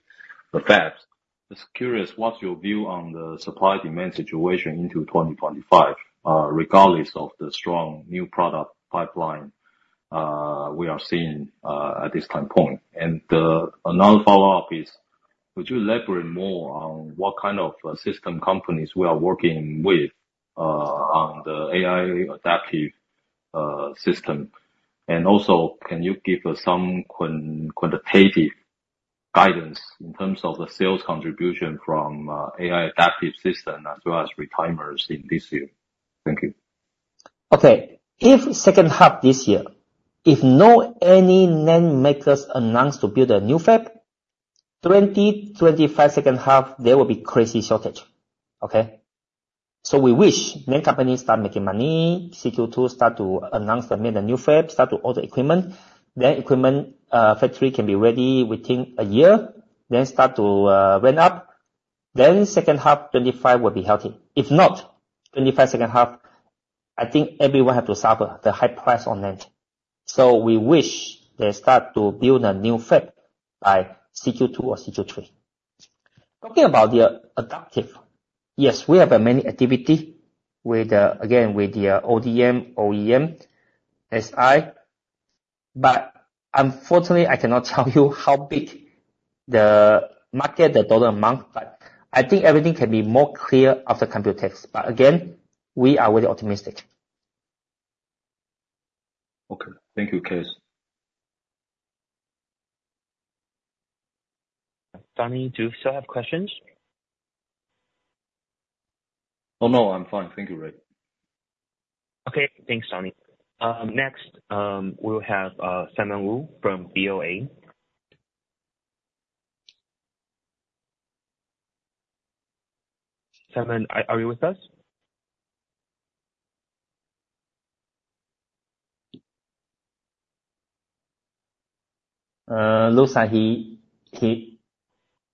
the fabs, just curious what's your view on the supply demand situation into 2025, regardless of the strong new product pipeline we are seeing at this time point? And, another follow-up is, would you elaborate more on what kind of system companies we are working with on the AI aiDAPTIV+ system? And also, can you give us some quantitative guidance in terms of the sales contribution from AI aiDAPTIV+ system as well as retimers in this year? Thank you. Okay. If second half this year, if no any NAND makers announce to build a new fab, 2025 second half, there will be crazy shortage, okay? So we wish NAND company start making money, Q2 start to announce to make the new fab, start to order equipment. NAND equipment, factory can be ready within a year. Then start to ramp up. Then second half 2025 will be healthy. If not, 2025 second half, I think everyone have to suffer the high price on NAND. So we wish they start to build a new fab by Q2 or Q3. Talking about their aiDAPTIV+, yes, we have many activity with, again, with their ODM, OEM, SI. But unfortunately, I cannot tell you how big the market, the dollar amount. But I think everything can be more clear after Computex. But again, we are very optimistic. Okay. Thank you, K.S. Donnie, do you still have questions? Oh, no. I'm fine. Thank you, Ray. Okay. Thanks, Donnie. Next, we'll have Simon Woo from BOA. Simon, are you with us? Looks like he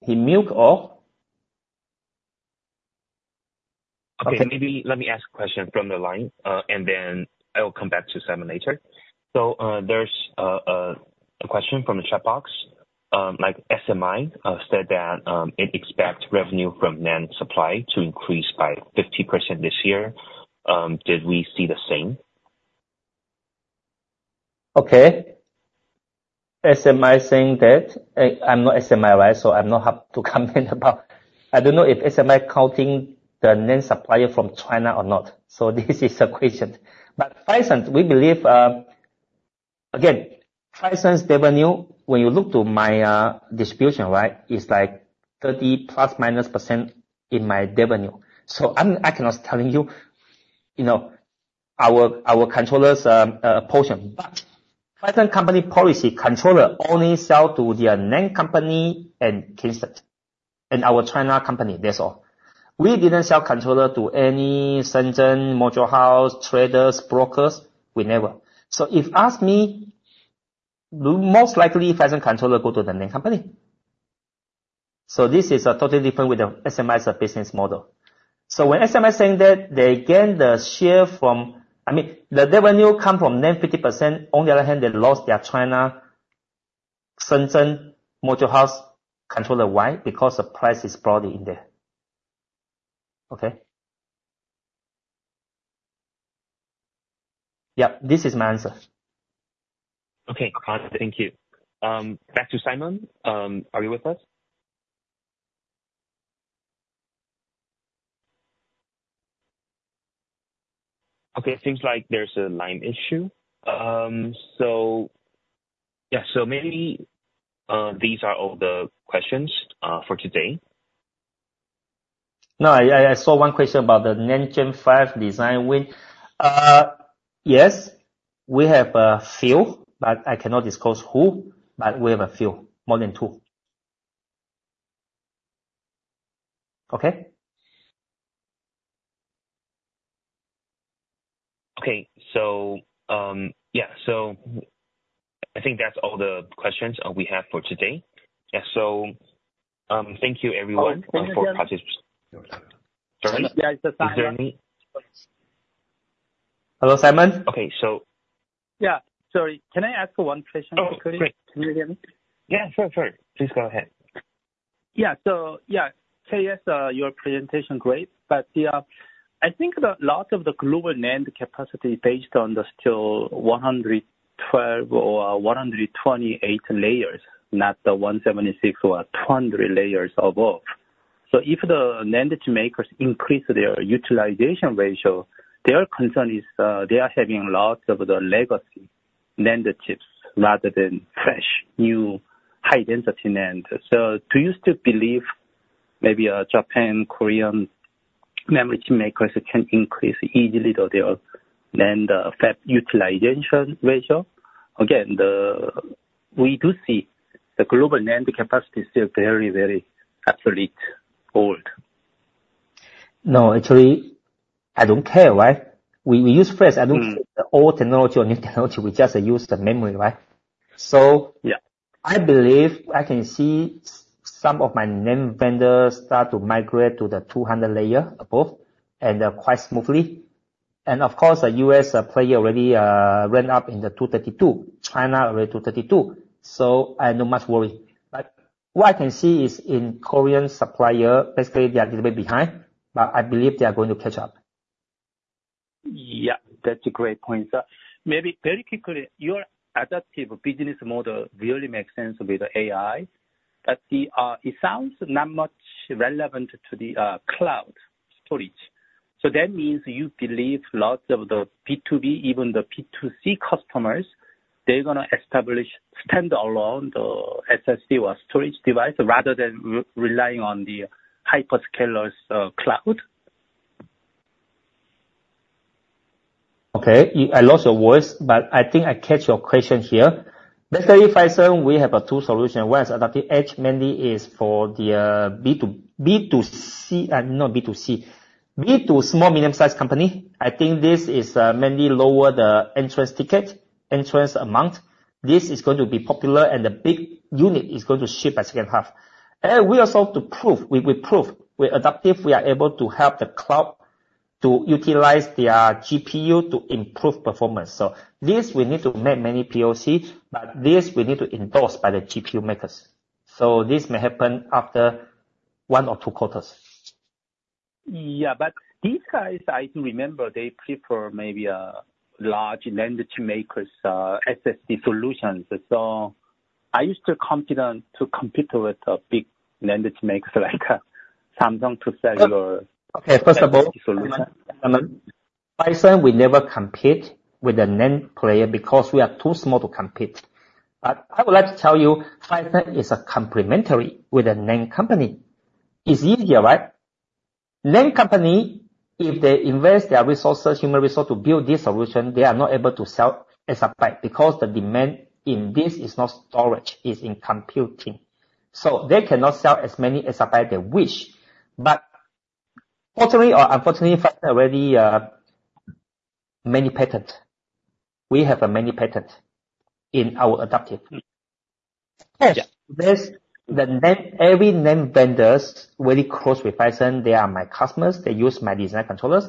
muted off. Okay. Maybe let me ask a question from the line, and then I'll come back to Simon later. So, there's a question from the chat box, like SMI said that it expects revenue from NAND supply to increase by 50% this year. Did we see the same? Okay. SMI saying that. I'm not SMI, right? So I'm not have to comment about. I don't know if SMI counting the NAND supplier from China or not. So this is a question. But Phison, we believe, again, Phison's revenue, when you look to my distribution, right, is like 30± % of my revenue. So I'm I cannot telling you, you know, our, our controllers portion. But Phison company policy controller only sell to their NAND company and Kingston and our China company. That's all. We didn't sell controller to any Shenzhen module house, traders, brokers. We never. So if you ask me, most likely, Phison controller go to the NAND company. So this is totally different with the SMI's business model. So when SMI saying that, they gain the share from I mean, the revenue come from NAND 50%. On the other hand, they lost their China, Shenzhen module house controller. Why? Because the price is broadly in there, okay? Yep. This is my answer. Okay. Thank you. Back to Simon. Are you with us? Okay. It seems like there's a line issue. So yeah. So maybe these are all the questions for today. No. I saw 1 question about the PCIe Gen 5 design win. Yes. We have a few. But I cannot disclose who. But we have a few, more than two. Okay? Okay. So yeah. So I think that's all the questions we have for today. Yeah. So thank you, everyone, for participation. Sorry? Is there any? Hello, Simon? Okay. So. Yeah. Sorry. Can I ask 1 question quickly? Oh, great. Can you hear me? Yeah. Sure, sure. Please go ahead. Yeah. So yeah. K.S., your presentation great. But yeah, I think a lot of the global NAND capacity based on the still 112 or 128 layers, not the 176 or 200 layers above. So if the NAND makers increase their utilization ratio, their concern is, they are having lots of the legacy NAND chips rather than fresh, new, high-density NAND. So do you still believe maybe Japanese, Korean memory chip makers can increase easily to their NAND fab utilization ratio? Again, we do see the global NAND capacity still very, very obsolete, old. No. Actually, I don't care, right? We use fresh. I don't think the old technology or new technology, we just use the memory, right? So I believe I can see some of my NAND vendors start to migrate to the 200-layer above and quite smoothly. And of course, the U.S. player already ramp up in the 232, China already 232. So I no much worry. But what I can see is the Korean supplier, basically, they are a little bit behind. But I believe they are going to catch up. Yep. That's a great point. So maybe very quickly, your aiDAPTIV+ business model really makes sense with AI. But the, it sounds not much relevant to the cloud storage. So that means you believe lots of the B2B, even the B2C customers, they're going to establish standalone SSD or storage device rather than relying on the hyperscalers, cloud? Okay. I lost your voice. But I think I catch your question here. Basically, Phison, we have two solutions. One is aiDAPTIV+ edge. Mainly is for their B2B2C not B2C. B2 small, medium-sized company, I think this is mainly lower the entrance ticket, entrance amount. This is going to be popular. And the big unit is going to ship by second half. And we also have to prove. We prove. With aiDAPTIV+, we are able to help the cloud to utilize their GPU to improve performance. So this we need to make many POC. But this we need to endorse by the GPU makers. So this may happen after one or two quarters. Yeah. But these guys, I do remember, they prefer maybe a large NAND chip makers, SSD solutions. So I used to confident to compete with a big NAND chip makers like Samsung to sell your SSD solution. Okay. First of all, Phison, we never compete with the NAND player because we are too small to compete. But I would like to tell you, Phison is a complementary with the NAND company. It's easier, right? NAND company, if they invest their resources, human resource, to build this solution, they are not able to sell as SI because the demand in this is not storage. It's in computing. So they cannot sell as many NAND they wish. But fortunately or unfortunately, Phison already, many patents. We have many patents in our aiDAPTIV+. Yes. There's the NAND. Every NAND vendors very close with Phison. They are my customers. They use my design controllers.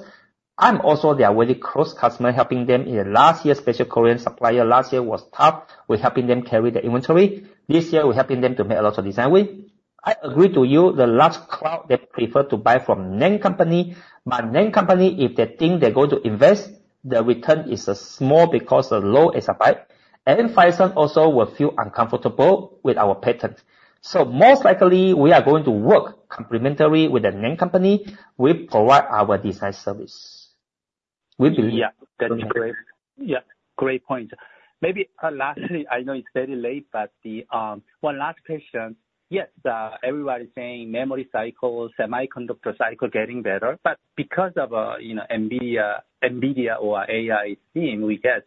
I'm also their very close customer, helping them in the last year. Especially Korean supplier last year was tough with helping them carry the inventory. This year, we're helping them to make a lot of design win. I agree to you. The large cloud, they prefer to buy from NAND company. But NAND company, if they think they're going to invest, the return is small because of low NAND. And Phison also will feel uncomfortable with our patents. So most likely, we are going to work complementary with the NAND company. We provide our design service. We believe. Yeah. That's great. Yeah. Great point. Maybe, lastly, I know it's very late. But the one last question. Yes. Everybody saying memory cycle, semiconductor cycle getting better. But because of, you know, NVIDIA, NVIDIA or AI theme, we guess,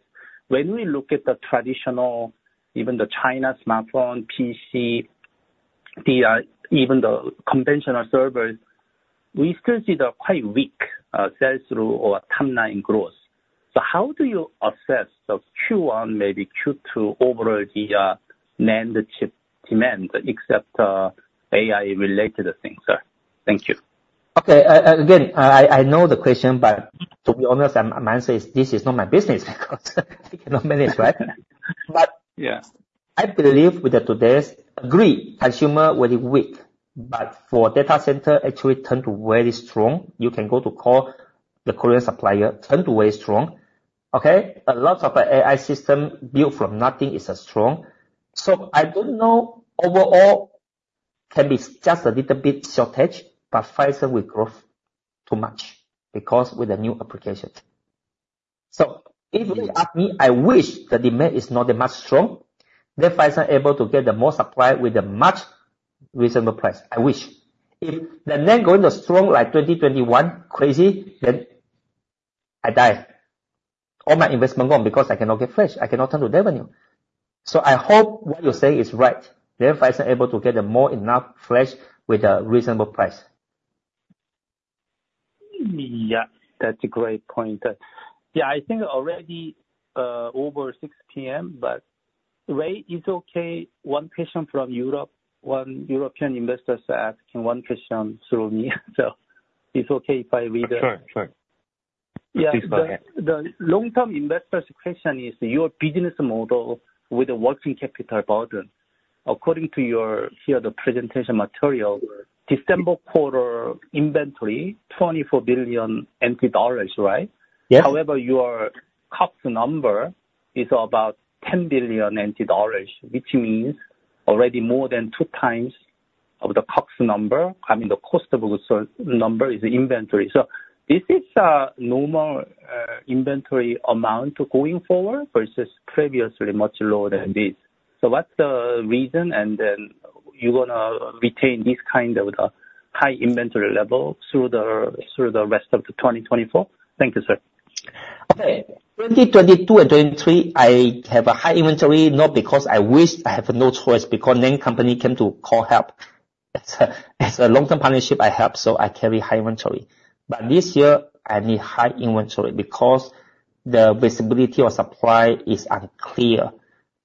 when we look at the traditional, even the China smartphone, PC, the even the conventional servers, we still see quite weak sales through or timeline growth. So how do you assess the Q1, maybe Q2 overall, the net chip demand except AI-related things? Thank you. Okay. Again, I know the question. But to be honest, my answer is this is not my business because I cannot manage, right? But I believe with today's agree, consumer very weak. But for data center, actually turn to very strong. You can go to call the Korean supplier, turn to very strong, okay? A lot of AI system built from nothing is strong. So I don't know overall, there can be just a little bit shortage. But Phison will grow too much because with the new application. So if you ask me, I wish the demand is not that much strong. Then Phison able to get the more supply with the much reasonable price. I wish. If the NAND going to strong like 2021, crazy, then I die. All my investment gone because I cannot get flash. I cannot turn to revenue. So I hope what you say is right. Then Phison able to get the more enough flash with a reasonable price. Yeah. That's a great point. Yeah. I think already, over 6:00 P.M. But, Ray, it's okay. One question from Europe, one European investor is asking one question through me. So it's okay if I read it. Sure, sure. Yeah. Please go ahead. The long-term investor's question is your business model with a working capital burden. According to your here the presentation material, December quarter inventory, 24 billion NT dollars, right? However, your COGS number is about 10 billion NT dollars, which means already more than two times of the COGS number. I mean, the cost of goods number is inventory. So this is a normal inventory amount going forward versus previously much lower than this. So what's the reason? And then you're going to retain this kind of the high inventory level through the rest of 2024? Thank you, sir. Okay. 2022 and 2023, I have a high inventory. Not because I wish. I have no choice because NAND company came to call help. It's a long-term partnership. I help. So I carry high inventory. But this year, I need high inventory because the visibility of supply is unclear.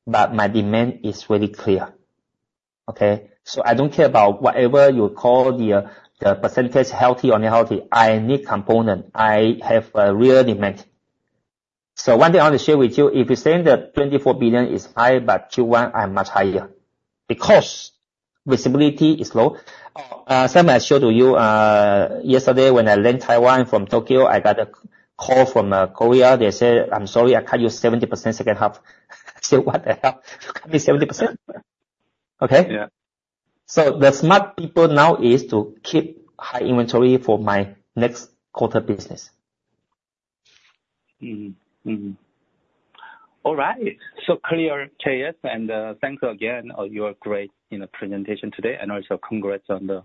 But my demand is very clear, okay? So I don't care about whatever you call the percentage healthy or not healthy. I need component. I have a real demand. So one thing I want to share with you, if you saying that $24 billion is high, but Q1, I'm much higher because visibility is low. Simon, I showed to you, yesterday when I left Taiwan from Tokyo, I got a call from Korea. They said, "I'm sorry. I cut you 70% second half." I said, "What the hell? You cut me 70%?" Okay? Yeah. So the smart people now is to keep high inventory for my next quarter business. All right. So clear, K.S. And thanks again on your great, you know, presentation today. And also, congrats on the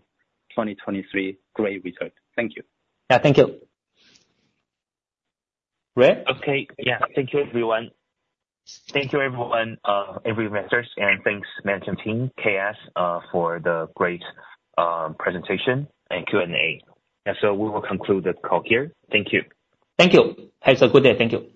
2023 great result. Thank you. Yeah. Thank you. Ray? Okay. Yeah. Thank you, everyone. Thank you, everyone, every investors. Thanks, Morgan Stanley team, K.S., for the great presentation and Q&A. Yeah. We will conclude the call here. Thank you. Thank you. Have a good day. Thank you.